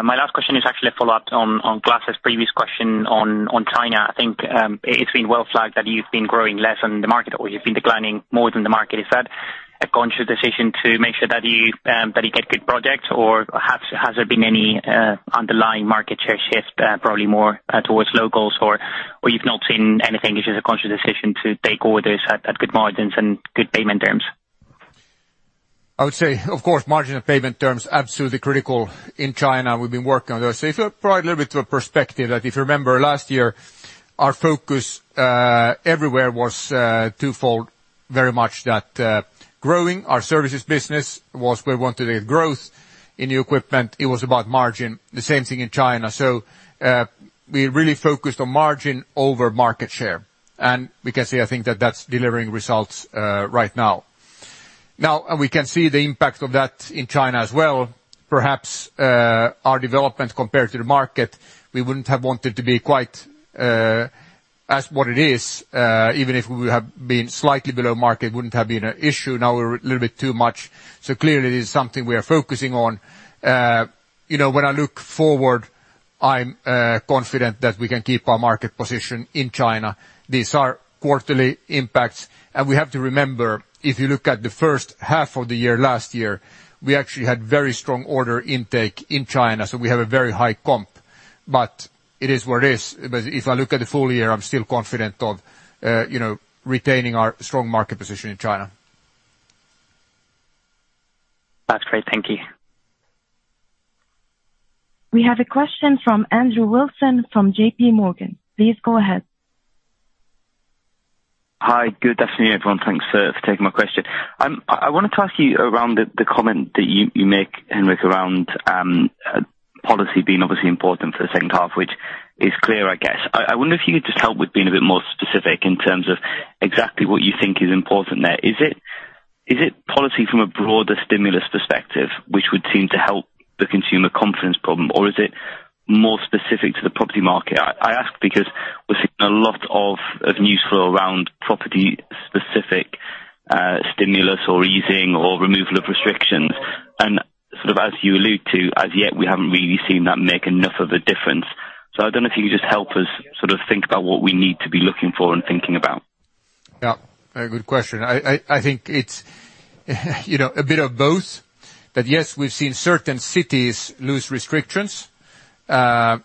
last question is actually a follow-up on Klas' previous question on China. I think it's been well flagged that you've been growing less than the market or you've been declining more than the market. Is that a conscious decision to make sure that you get good projects, or has there been any underlying market share shift, probably more towards locals? Or you've not seen anything, it's just a conscious decision to take orders at good margins and good payment terms? I would say, of course, margin and payment terms, absolutely critical in China. We've been working on those. If you look probably a little bit to a perspective, that if you remember last year, our focus everywhere was twofold, very much that growing our services business was we wanted a growth. In new equipment, it was about margin, the same thing in China. We really focused on margin over market share, and we can see, I think, that that's delivering results right now. Now, we can see the impact of that in China as well. Perhaps our development compared to the market, we wouldn't have wanted to be quite as what it is. Even if we have been slightly below market, wouldn't have been an issue. Now we're a little bit too much. Clearly, it is something we are focusing on. you know, when I look forward, I'm confident that we can keep our market position in China. These are quarterly impacts, and we have to remember, if you look at the first half of the year, last year, we actually had very strong order intake in China, so we have a very high comp. It is what it is. If I look at the full year, I'm still confident of, you know, retaining our strong market position in China. That's great. Thank you. We have a question from Andrew Wilson, from JPMorgan. Please go ahead. Hi, good afternoon, everyone. Thanks for taking my question. I wanted to ask you around the comment that you make, Henrik, around policy being obviously important for the second half, which is clear, I guess. I wonder if you could just help with being a bit more specific in terms of exactly what you think is important there. Is it policy from a broader stimulus perspective, which would seem to help the consumer confidence problem, or is it more specific to the property market? I ask because we're seeing a lot of news flow around property-specific stimulus, or easing, or removal of restrictions. Sort of as you allude to, as yet, we haven't really seen that make enough of a difference. I don't know if you can just help us sort of think about what we need to be looking for and thinking about. Yeah, very good question. I think it's, you know, a bit of both. Yes, we've seen certain cities lose restrictions. I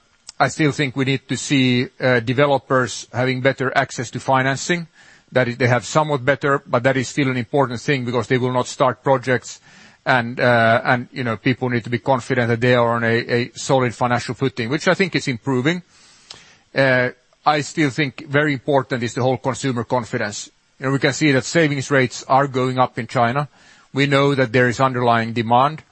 still think we need to see developers having better access to financing. That they have somewhat better, but that is still an important thing, because they will not start projects and, you know, people need to be confident that they are on a solid financial footing, which I think is improving. I still think very important is the whole consumer confidence. We can see that savings rates are going up in China. We know that there is underlying demand.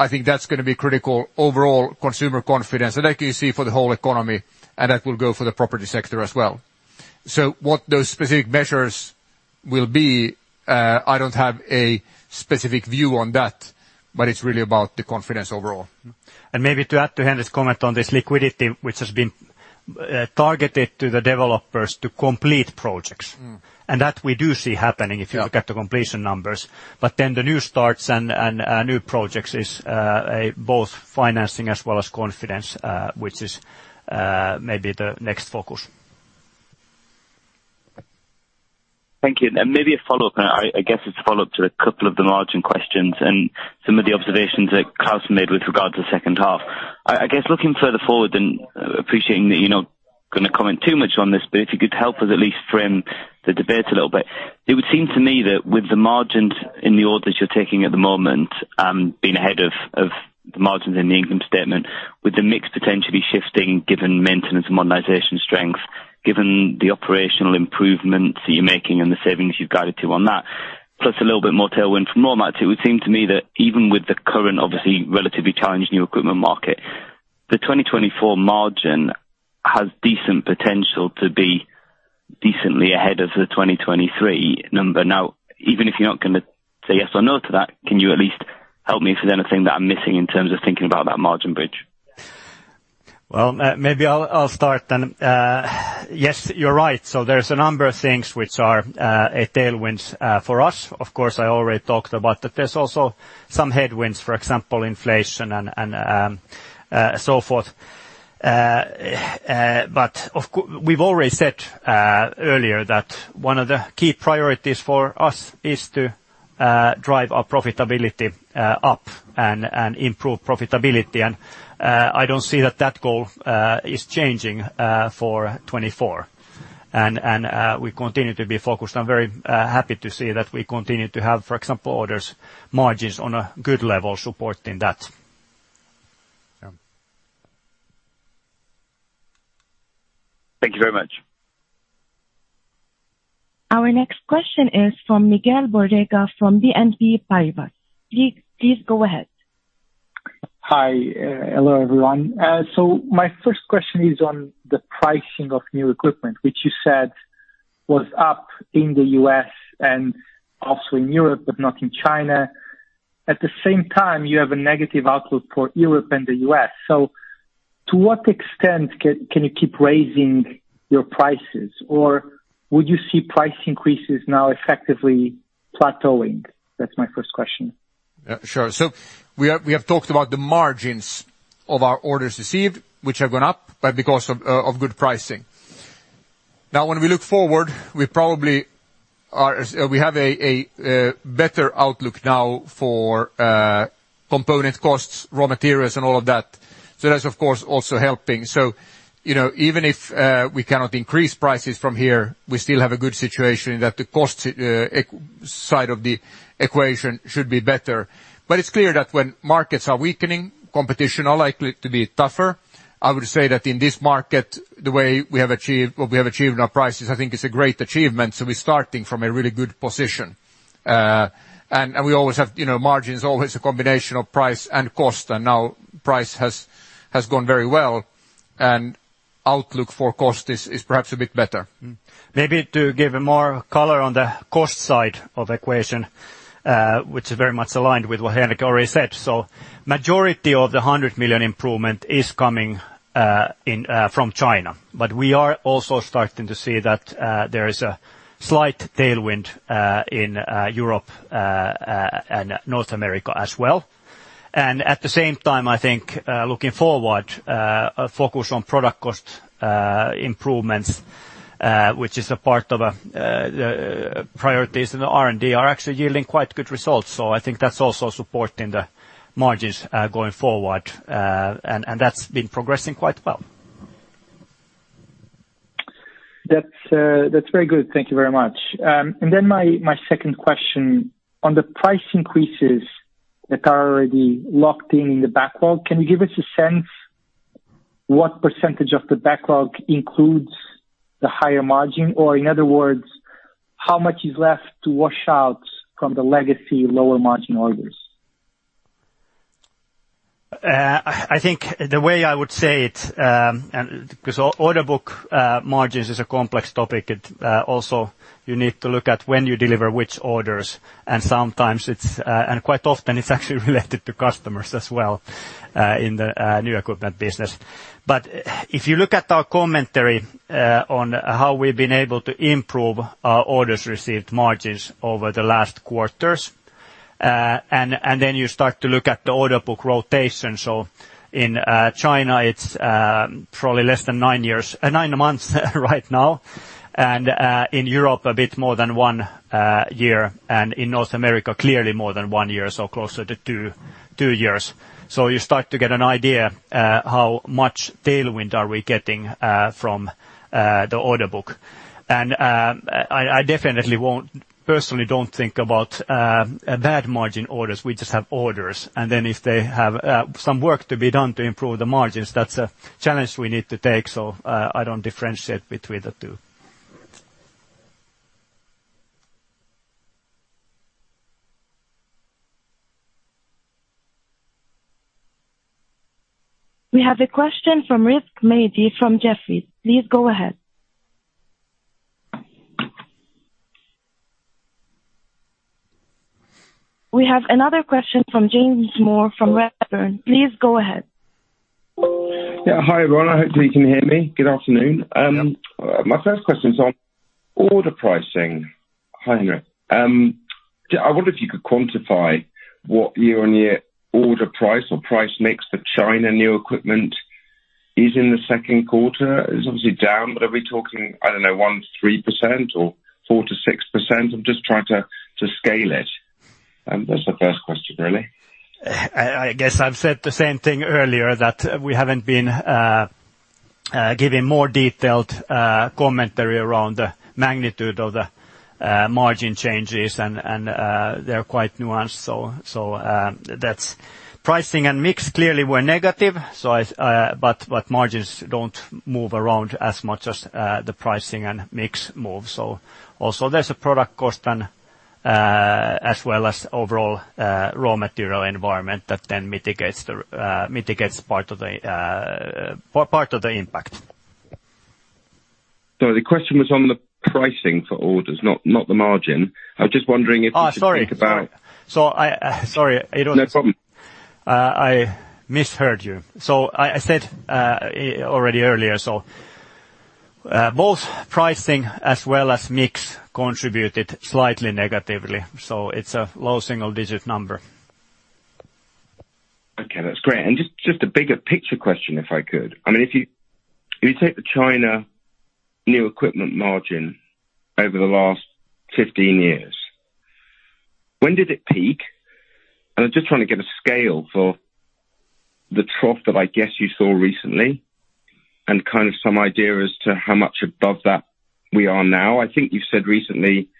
I think that's gonna be critical overall consumer confidence, and I can see for the whole economy, and that will go for the property sector as well. What those specific measures will be, I don't have a specific view on that, but it's really about the confidence overall. Maybe to add to Henrik's comment on this liquidity, which has been targeted to the developers to complete projects. Mm. That we do see happening... <crosstalk> Yeah. If you look at the completion numbers. The new starts and new projects is a both financing as well as confidence, which is maybe the next focus. Thank you. Maybe a follow-up, I guess it's a follow-up to a couple of the margin questions and some of the observations that Klaus made with regard to the second half. I guess looking further forward, appreciating that you're not gonna comment too much on this, if you could help us at least frame the debate a little bit. It would seem to me that with the margins in the orders you're taking at the moment, being ahead of the margins in the income statement, with the mix potentially shifting, given maintenance and modernization strength, given the operational improvements that you're making and the savings you've guided to on that. Plus a little bit more tailwind from raw mats, it would seem to me that even with the current, obviously, relatively challenged new equipment market, the 2024 margin has decent potential to be decently ahead of the 2023 number. Even if you're not gonna say yes or no to that, can you at least help me with anything that I'm missing in terms of thinking about that margin bridge? Well, maybe I'll start then. Yes, you're right. There's a number of things which are a tailwinds for us. Of course, I already talked about that there's also some headwinds, for example, inflation and so forth. We've already said earlier that one of the key priorities for us is to drive our profitability up and improve profitability, and I don't see that that goal is changing for 2024. We continue to be focused. I'm very happy to see that we continue to have, for example, orders, margins on a good level supporting that. Yeah. Thank you very much. Our next question is from Miguel Borrega, from BNP Paribas. Please go ahead. Hi, hello, everyone. My first question is on the pricing of new equipment, which you said was up in the US and also in Europe, but not in China. At the same time, you have a negative outlook for Europe and the US. To what extent can you keep raising your prices? Would you see price increases now effectively plateauing? That's my first question. Sure. We have talked about the margins of our orders received, which have gone up, but because of good pricing. When we look forward, we probably have a better outlook now for component costs, raw materials, and all of that. That's of course, also helping. You know, even if we cannot increase prices from here, we still have a good situation in that the cost side of the equation should be better. It's clear that when markets are weakening, competition are likely to be tougher. I would say that in this market, the way we have achieved what we have achieved in our prices, I think is a great achievement, so we're starting from a really good position. We always have, you know, margins, always a combination of price and cost. Now price has gone very well. Outlook for cost is perhaps a bit better. Maybe to give a more color on the cost side of equation, which is very much aligned with what Henrik already said. Majority of the 100 million improvement is coming in from China, but we are also starting to see that there is a slight tailwind in Europe and North America as well. At the same time, I think, looking forward, a focus on product cost improvements, which is a part of the priorities in the R&D, are actually yielding quite good results. I think that's also supporting the margins going forward. And that's been progressing quite well. That's very good. Thank you very much. My, my second question, on the price increases that are already locked in in the backlog, can you give us a sense what percentage of the backlog includes the higher margin? Or in other words, how much is left to wash out from the legacy lower margin orders? I think the way I would say it, because order book margins is a complex topic, it also you need to look at when you deliver which orders, and sometimes it's, quite often it's actually related to customers as well, in the new equipment business. If you look at our commentary on how we've been able to improve our orders received margins over the last quarters, then you start to look at the order book rotation. In China, it's probably less than nine years, nine months right now, and in Europe, a bit more than one year, and in North America, clearly more than one year, so closer to two years. You start to get an idea, how much tailwind are we getting from the order book. I definitely personally don't think about bad margin orders. We just have orders, if they have some work to be done to improve the margins, that's a challenge we need to take. I don't differentiate between the two. We have a question from Rizk Maidi from Jefferies. Please go ahead. We have another question from James Moore from Redburn. Please go ahead. Yeah. Hi, everyone. I hope you can hear me. Good afternoon. My first question is on order pricing. Hi, Henrik. I wonder if you could quantify what year-on-year order price or price mix for China new equipment is in the second quarter? It's obviously down, but are we talking, I don't know, 1% to 3% or 4% to 6%? I'm just trying to scale it. That's the first question, really. I guess I've said the same thing earlier, that we haven't been giving more detailed commentary around the magnitude of the margin changes, and they're quite nuanced. That's pricing and mix clearly were negative, so I, but margins don't move around as much as the pricing and mix move. Also there's a product cost and as well as overall raw material environment that then mitigates part of the impact. The question was on the pricing for orders, not the margin... <crosstalk> Sorry! I don't... <crosstalk> No problem. I misheard you. I said, already earlier, so, both pricing as well as mix contributed slightly negatively, so it's a low single digit number. Okay, that's great. Just a bigger picture question, if I could. I mean, if you take the China new equipment margin over the last 15 years, when did it peak? I'm just trying to get a scale for the trough that I guess you saw recently, and kind of some idea as to how much above that we are now. I think you said recently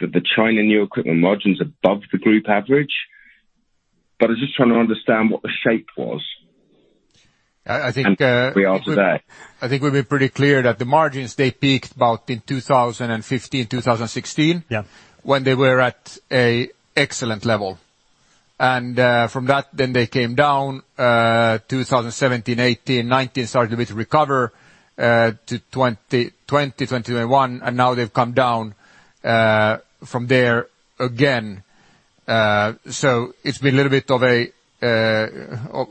that the China new equipment margin's above the group average, I'm just trying to understand what the shape was. I think... <crosstalk> We are today. I think we've been pretty clear that the margins, they peaked about in 2015, 2016. Yeah. When they were at a excellent level. From that, then they came down 2017, 2018, 2019, started a bit to recover to 2020, 2021, now they've come down from there again. So, it's been a little bit of a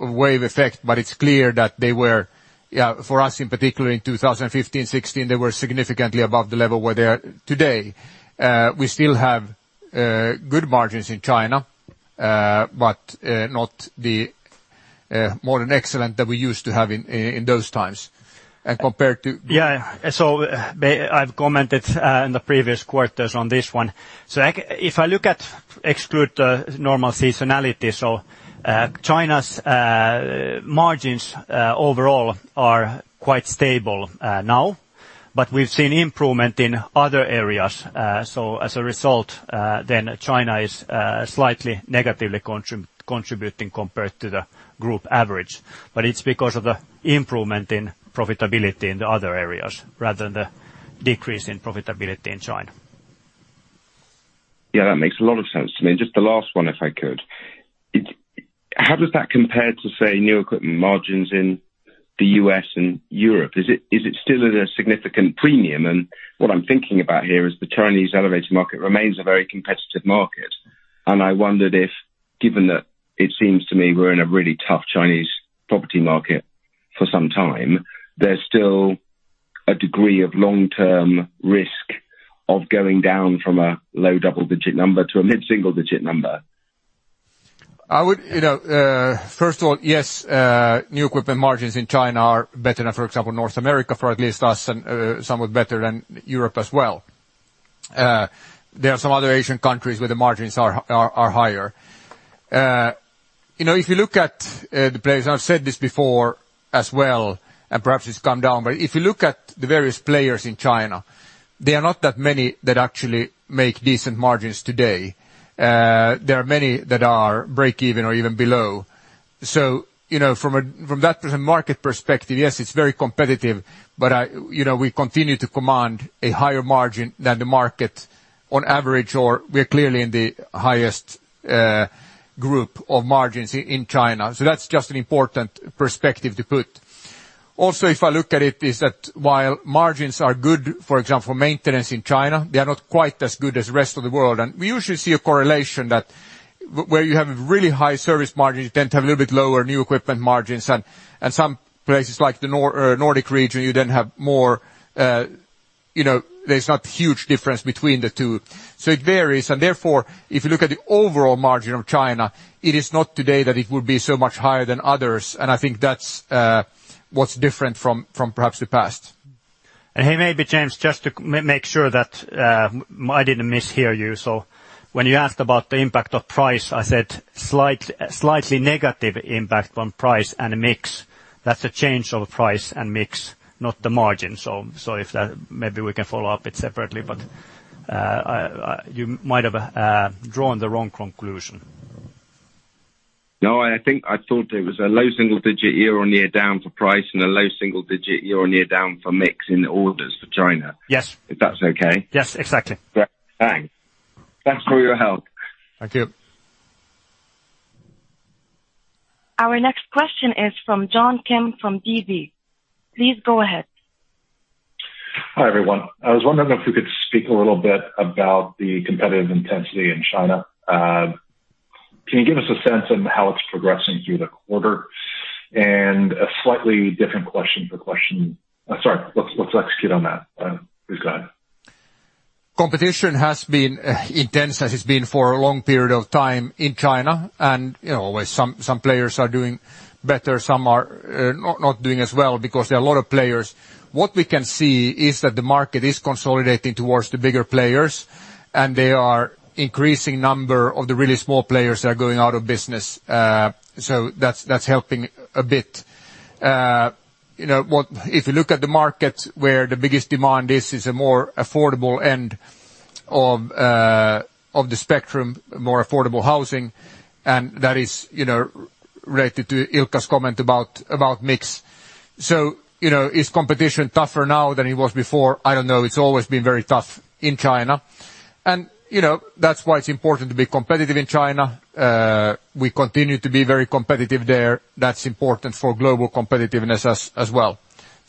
wave effect, but it's clear that they were, yeah, for us in particular, in 2015, 2016, they were significantly above the level where they are today. We still have good margins in China, but not the more than excellent that we used to have in those times. Compared to... <crosstalk> I've commented in the previous quarters on this one. If I look at exclude the normal seasonality, China's margins overall are quite stable now, but we've seen improvement in other areas. As a result, China is slightly negatively contributing compared to the group average. It's because of the improvement in profitability in the other areas, rather than the decrease in profitability in China. Yeah, that makes a lot of sense to me. Just the last one, if I could. How does that compare to, say, new equipment margins in the US and Europe? Is it still at a significant premium? What I'm thinking about here is the Chinese elevator market remains a very competitive market, and I wondered if, given that it seems to me we're in a really tough Chinese property market for some time, there's still a degree of long-term risk of going down from a low double-digit number to a mid-single digit number. I would, you know, first of all, yes, new equipment margins in China are better than, for example, North America, for at least us, and somewhat better than Europe as well. There are some other Asian countries where the margins are higher. You know, if you look at the players, and I've said this before as well, and perhaps it's come down, but if you look at the various players in China, they are not that many that actually make decent margins today. There are many that are break even or even below. You know, from that market perspective, yes, it's very competitive, but I, you know, we continue to command a higher margin than the market on average, or we're clearly in the highest group of margins in China. That's just an important perspective to put. If I look at it, is that while margins are good, for example, maintenance in China, they are not quite as good as the rest of the world. We usually see a correlation that where you have really high service margins, you tend to have a little bit lower new equipment margins. Some places like the Nordic region, you then have more, you know, there's not huge difference between the two. It varies, and therefore, if you look at the overall margin of China, it is not today that it would be so much higher than others. I think that's what's different from perhaps the past. Hey, maybe, James, just to make sure that I didn't mishear you. When you asked about the impact of price, I said slightly negative impact on price and mix. That's a change of price and mix, not the margin. If that. Maybe we can follow up it separately, but I, you might have drawn the wrong conclusion. No, I think I thought it was a low single digit year or near down for price and a low single digit year or near down for mix in the orders for China. Yes. If that's okay? Yes, exactly. Great. Thanks. Thanks for your help. Thank you. Our next question is from John Kim, from DB. Please go ahead. Hi, everyone. I was wondering if you could speak a little bit about the competitive intensity in China. Can you give us a sense of how it's progressing through the quarter? A slightly different question for question... sorry, let's execute on that. Please go ahead. Competition has been intense, as it's been for a long period of time in China, and, you know, always some players are doing better, some are not doing as well, because there are a lot of players. What we can see is that the market is consolidating towards the bigger players, and there are increasing number of the really small players that are going out of business. So that's helping a bit. You know, if you look at the market, where the biggest demand is a more affordable end of the spectrum, more affordable housing, and that is, you know, related to Ilkka's comment about mix. You know, is competition tougher now than it was before? I don't know. It's always been very tough in China. You know, that's why it's important to be competitive in China. We continue to be very competitive there. That's important for global competitiveness as well.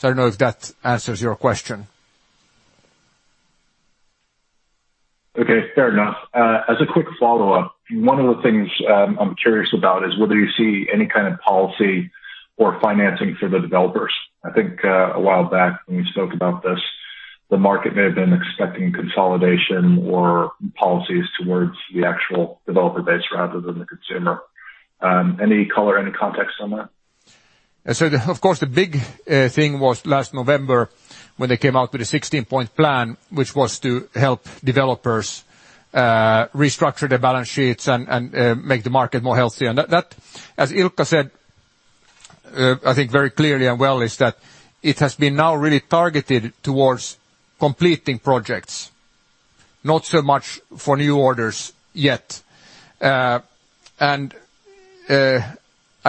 I don't know if that answers your question. Fair enough. As a quick follow-up, one of the things I'm curious about is whether you see any kind of policy or financing for the developers. I think, a while back, when we spoke about this, the market may have been expecting consolidation or policies towards the actual developer base rather than the consumer. Any color, any context on that? Of course, the big thing was last November, when they came out with a 16-point plan, which was to help developers restructure their balance sheets and make the market more healthy. That, as Ilkka said, I think very clearly and well, is that it has been now really targeted towards completing projects, not so much for new orders yet. I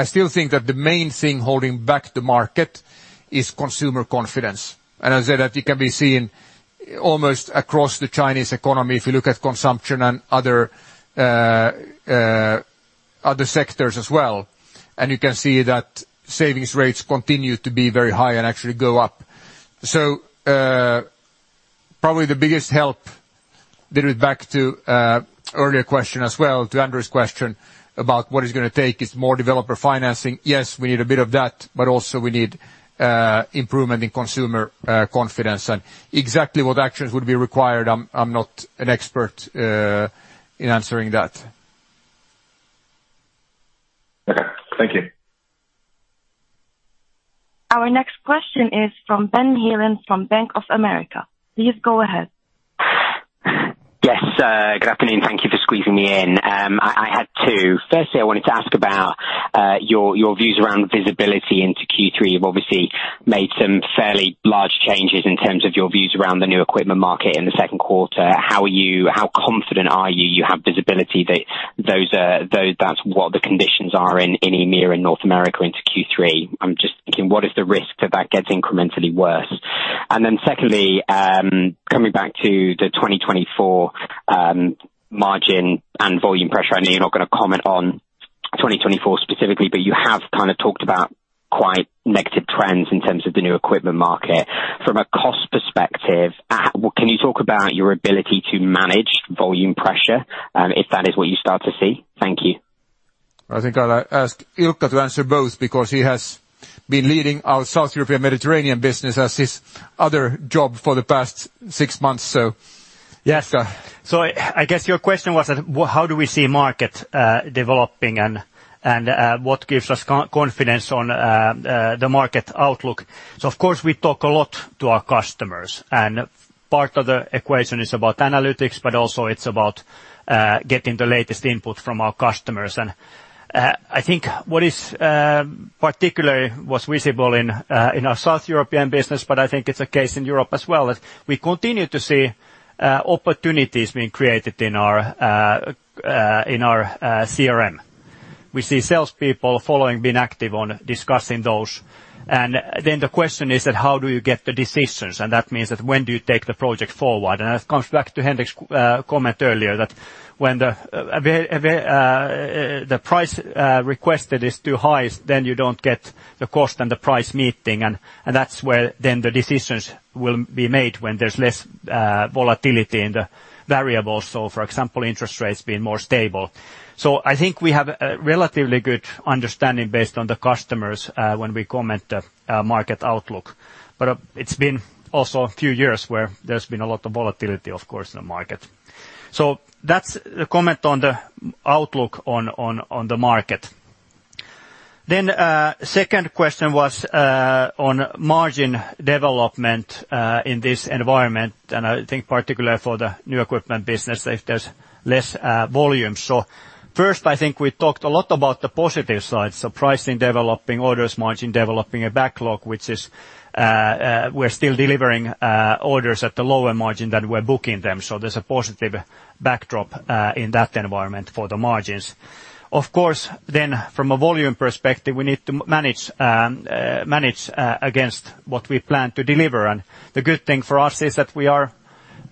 still think that the main thing holding back the market is consumer confidence, and as that it can be seen almost across the Chinese economy if you look at consumption and other sectors as well. You can see that savings rates continue to be very high and actually go up. Probably the biggest help, getting back to earlier question as well, to Andrew's question, about what it's gonna take. It's more developer financing. Yes, we need a bit of that, but also, we need improvement in consumer confidence. Exactly what actions would be required; I'm not an expert in answering that. Okay, thank you. Our next question is from Ben Heelan from Bank of America. Please go ahead. Yes, good afternoon. Thank you for squeezing me in. I had two. Firstly, I wanted to ask about your views around visibility into third quarter. You've obviously made some fairly large changes in terms of your views around the new equipment market in the second quarter. How confident are you have visibility that though that's what the conditions are in EMEA and North America into third quarter? I'm just thinking, what is the risk that that gets incrementally worse? Secondly, coming back to the 2024 margin and volume pressure. I know you're not gonna comment on 2024 specifically, but you have kind of talked about quite negative trends in terms of the new equipment market. From a cost perspective, can you talk about your ability to manage volume pressure, if that is what you start to see? Thank you. I think I'll ask Ilkka to answer both because he has been leading our South European Mediterranean Business as his other job for the past six months. I guess your question was that, well, how do we see market developing and what gives us confidence on the market outlook? Of course, we talk a lot to our customers, and part of the equation is about analytics, but also it's about getting the latest input from our customers. I think what is particularly was visible in our South European business, but I think it's the case in Europe as well, is we continue to see opportunities being created in our CRM. We see salespeople following, being active on discussing those. The question is that: How do you get the decisions? That means that when do you take the project forward? It comes back to Henrik's comment earlier, that when the price requested is too high, then you don't get the cost and the price meeting, and that's where then the decisions will be made when there's less volatility in the variables. For example, interest rates being more stable. I think we have a relatively good understanding based on the customers when we comment the market outlook. It's been also a few years where there's been a lot of volatility, of course, in the market. That's the comment on the outlook on the market. Second question was on margin development in this environment, and I think particularly for the new equipment business, if there's less volume. First, I think we talked a lot about the positive side, pricing developing, orders margin developing, a backlog, which is, we're still delivering orders at the lower margin than we're booking them. There's a positive backdrop in that environment for the margins. From a volume perspective, we need to manage against what we plan to deliver. The good thing for us is that we are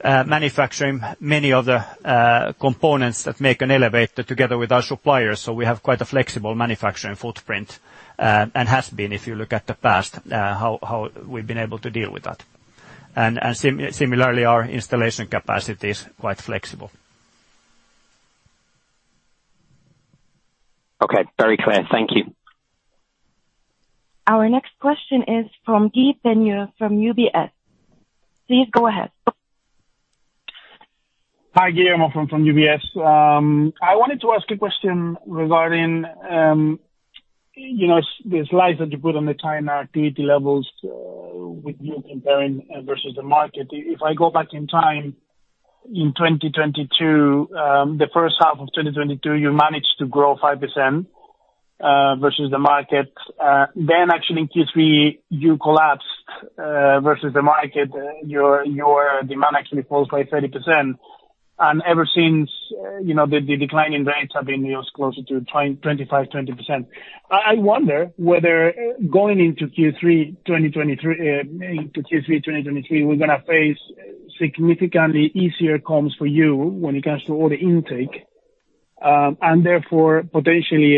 manufacturing many of the components that make an elevator together with our suppliers, so we have quite a flexible manufacturing footprint and has been, if you look at the past, how we've been able to deal with that. Similarly, our installation capacity is quite flexible. Okay, very clear. Thank you. Our next question is from Guillermo from UBS. Please go ahead. Hi, Guillermo from UBS. I wanted to ask a question regarding, you know, the slides that you put on the China activity levels, with you comparing versus the market. If I go back in time, in 2022, the first half of 2022, you managed to grow 5% versus the market. Actually in third quarter, you collapsed versus the market, your demand actually falls by 30%. Ever since, you know, the decline in rates have been, you know, closer to 25%, 20%. I wonder whether going into third quarter 2023, into third quarter 2023, we're gonna face significantly easier comms for you when it comes to order intake. Therefore, potentially,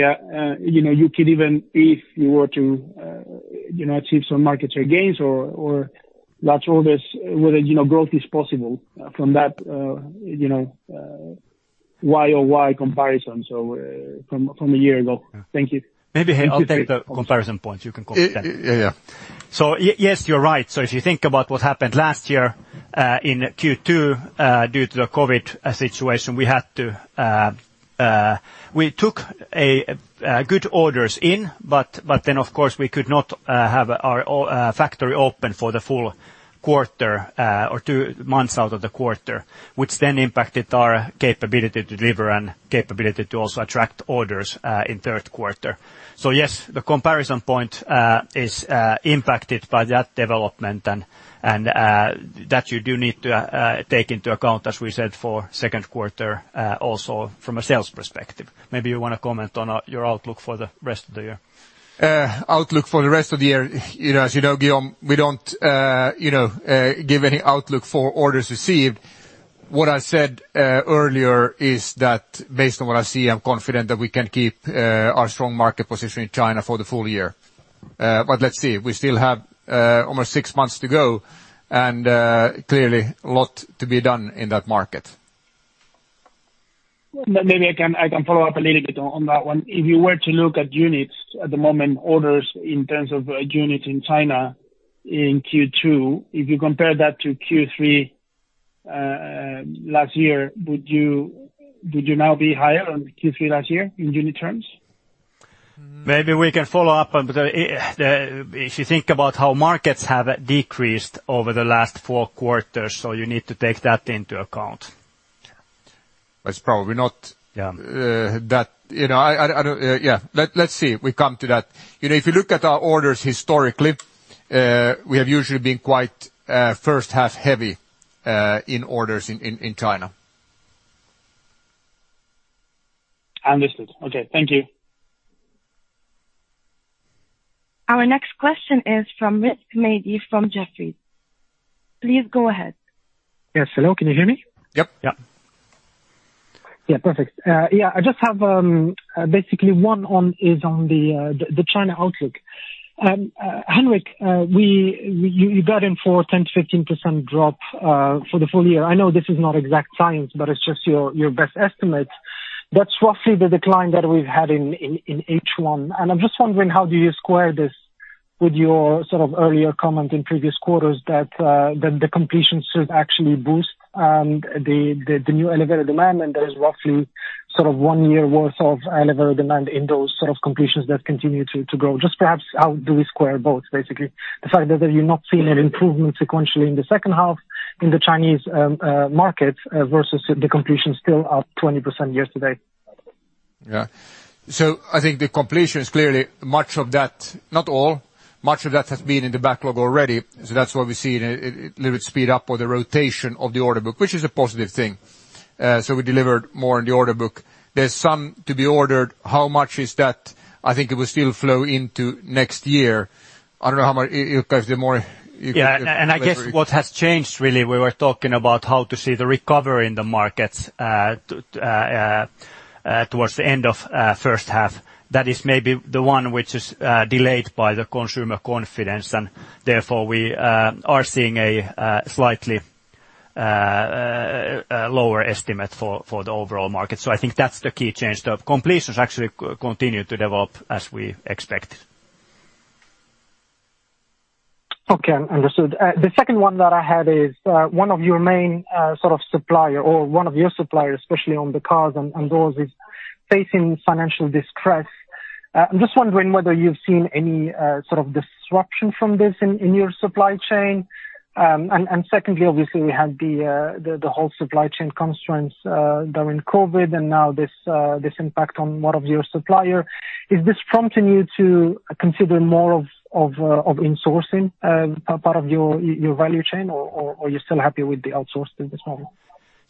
you know, you could even, if you were to, you know, achieve some market share gains or large orders, whether, you know, growth is possible from that, you know, Y-o-Y comparison, so from a year ago. Thank you. <crosstalk> Maybe I'll take the comparison point. You can comment. Yeah, yeah. Yes, you're right. If you think about what happened last year, in second quarter, due to the COVID situation, we had to. We took good orders in, but then, of course, we could not have our factory open for the full quarter, or two months out of the quarter, which then impacted our capability to deliver and capability to also attract orders in third quarter. Yes, the comparison point is impacted by that development, and that you do need to take into account, as we said, for second quarter, also from a sales perspective. Maybe you want to comment on your outlook for the rest of the year. Outlook for the rest of the year, you know, as you know, Guillaume, we don't, you know, give any outlook for orders received. What I said earlier is that based on what I see, I'm confident that we can keep our strong market position in China for the full year. Let's see. We still have almost six months to go, and clearly a lot to be done in that market. Maybe I can follow up a little bit on that one. If you were to look at units at the moment, orders in terms of units in China in second quarter, if you compare that to third quarter last year, would you now be higher than third quarter last year in unit terms? Maybe we can follow up on the... if you think about how markets have decreased over the last four quarters, you need to take that into account. It's probably not... <crosstalk> Yeah. That, you know, I don't. Yeah, let's see. We come to that. You know, if you look at our orders historically, we have usually been quite, first half heavy, in orders in China. Understood. Okay, thank you. Our next question is from Rizk Maidi from Jefferies. Please go ahead. Yes, hello, can you hear me? Yep. Yeah. Yeah, perfect. Yeah, I just have, basically one on, is on the China outlook. Henrik, you guided for a 10% to 15% drop for the full year. I know this is not exact science, but it's just your best estimate. That's roughly the decline that we've had in first half. And I'm just wondering, how do you square this with your sort of earlier comment in previous quarters that the completions should actually boost the new elevated demand, and there is roughly sort of one year worth of elevated demand in those sorts of completions that continue to grow? Just perhaps, how do we square both, basically? The fact that you're not seeing an improvement sequentially in the second half in the Chinese market versus the completion still up 20% year to date. I think the completion is clearly much of that, not all, much of that has been in the backlog already. That's why we see it a little bit speed up or the rotation of the order book, which is a positive thing. We delivered more in the order book. There's some to be ordered. How much is that? I think it will still flow into next year. I don't know how much, Ilkka, the more you could. Yeah, I guess what has changed, really, we were talking about how to see the recovery in the markets towards the end of first half. That is maybe the one which is delayed by the consumer confidence, and therefore, we are seeing a slightly lower estimate for the overall market. I think that's the key change. The completions actually continue to develop as we expected. Okay, understood. The second one that I had is one of your main suppliers, especially on the cars and doors, is facing financial distress. I'm just wondering whether you've seen any sort of disruption from this in your supply chain. Secondly, obviously, we had the whole supply chain constraints during COVID, and now this impact on one of your supplier. Is this prompting you to consider more of insourcing a part of your value chain, or you're still happy with the outsourcing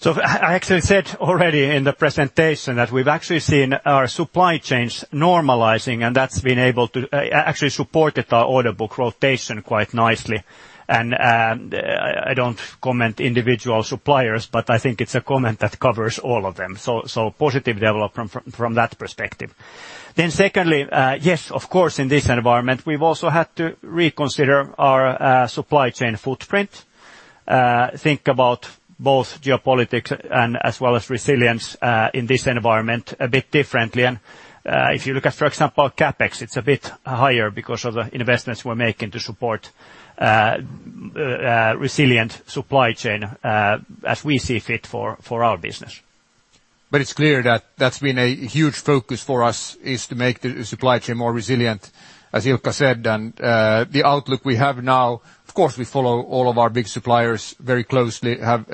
model? I actually said already in the presentation that we've actually seen our supply chains normalizing, and that's been able to actually supported our order book rotation quite nicely. I don't comment individual suppliers, but I think it's a comment that covers all of them. Positive development from that perspective. Secondly, yes, of course, in this environment, we've also had to reconsider our supply chain footprint. Think about both geopolitics and as well as resilience in this environment a bit differently. If you look at, for example, CapEx, it's a bit higher because of the investments we're making to support resilient supply chain as we see fit for our business. It's clear that that's been a huge focus for us, is to make the supply chain more resilient, as Jukka said. The outlook we have now, of course, we follow all of our big suppliers very closely, have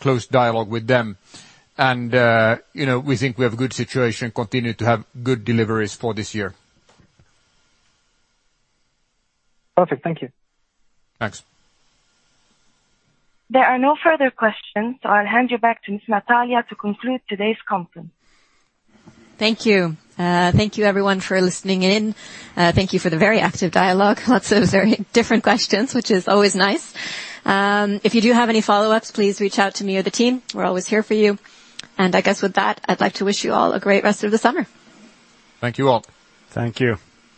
close dialog with them. You know, we think we have a good situation, continue to have good deliveries for this year. Perfect. Thank you. Thanks. There are no further questions. I'll hand you back to Ms. Natalia to conclude today's conference. Thank you. Thank you everyone for listening in. Thank you for the very active dialogue. Lots of very different questions, which is always nice. If you do have any follow-ups, please reach out to me or the team. We're always here for you. I guess with that, I'd like to wish you all a great rest of the summer. Thank you, all. Thank you.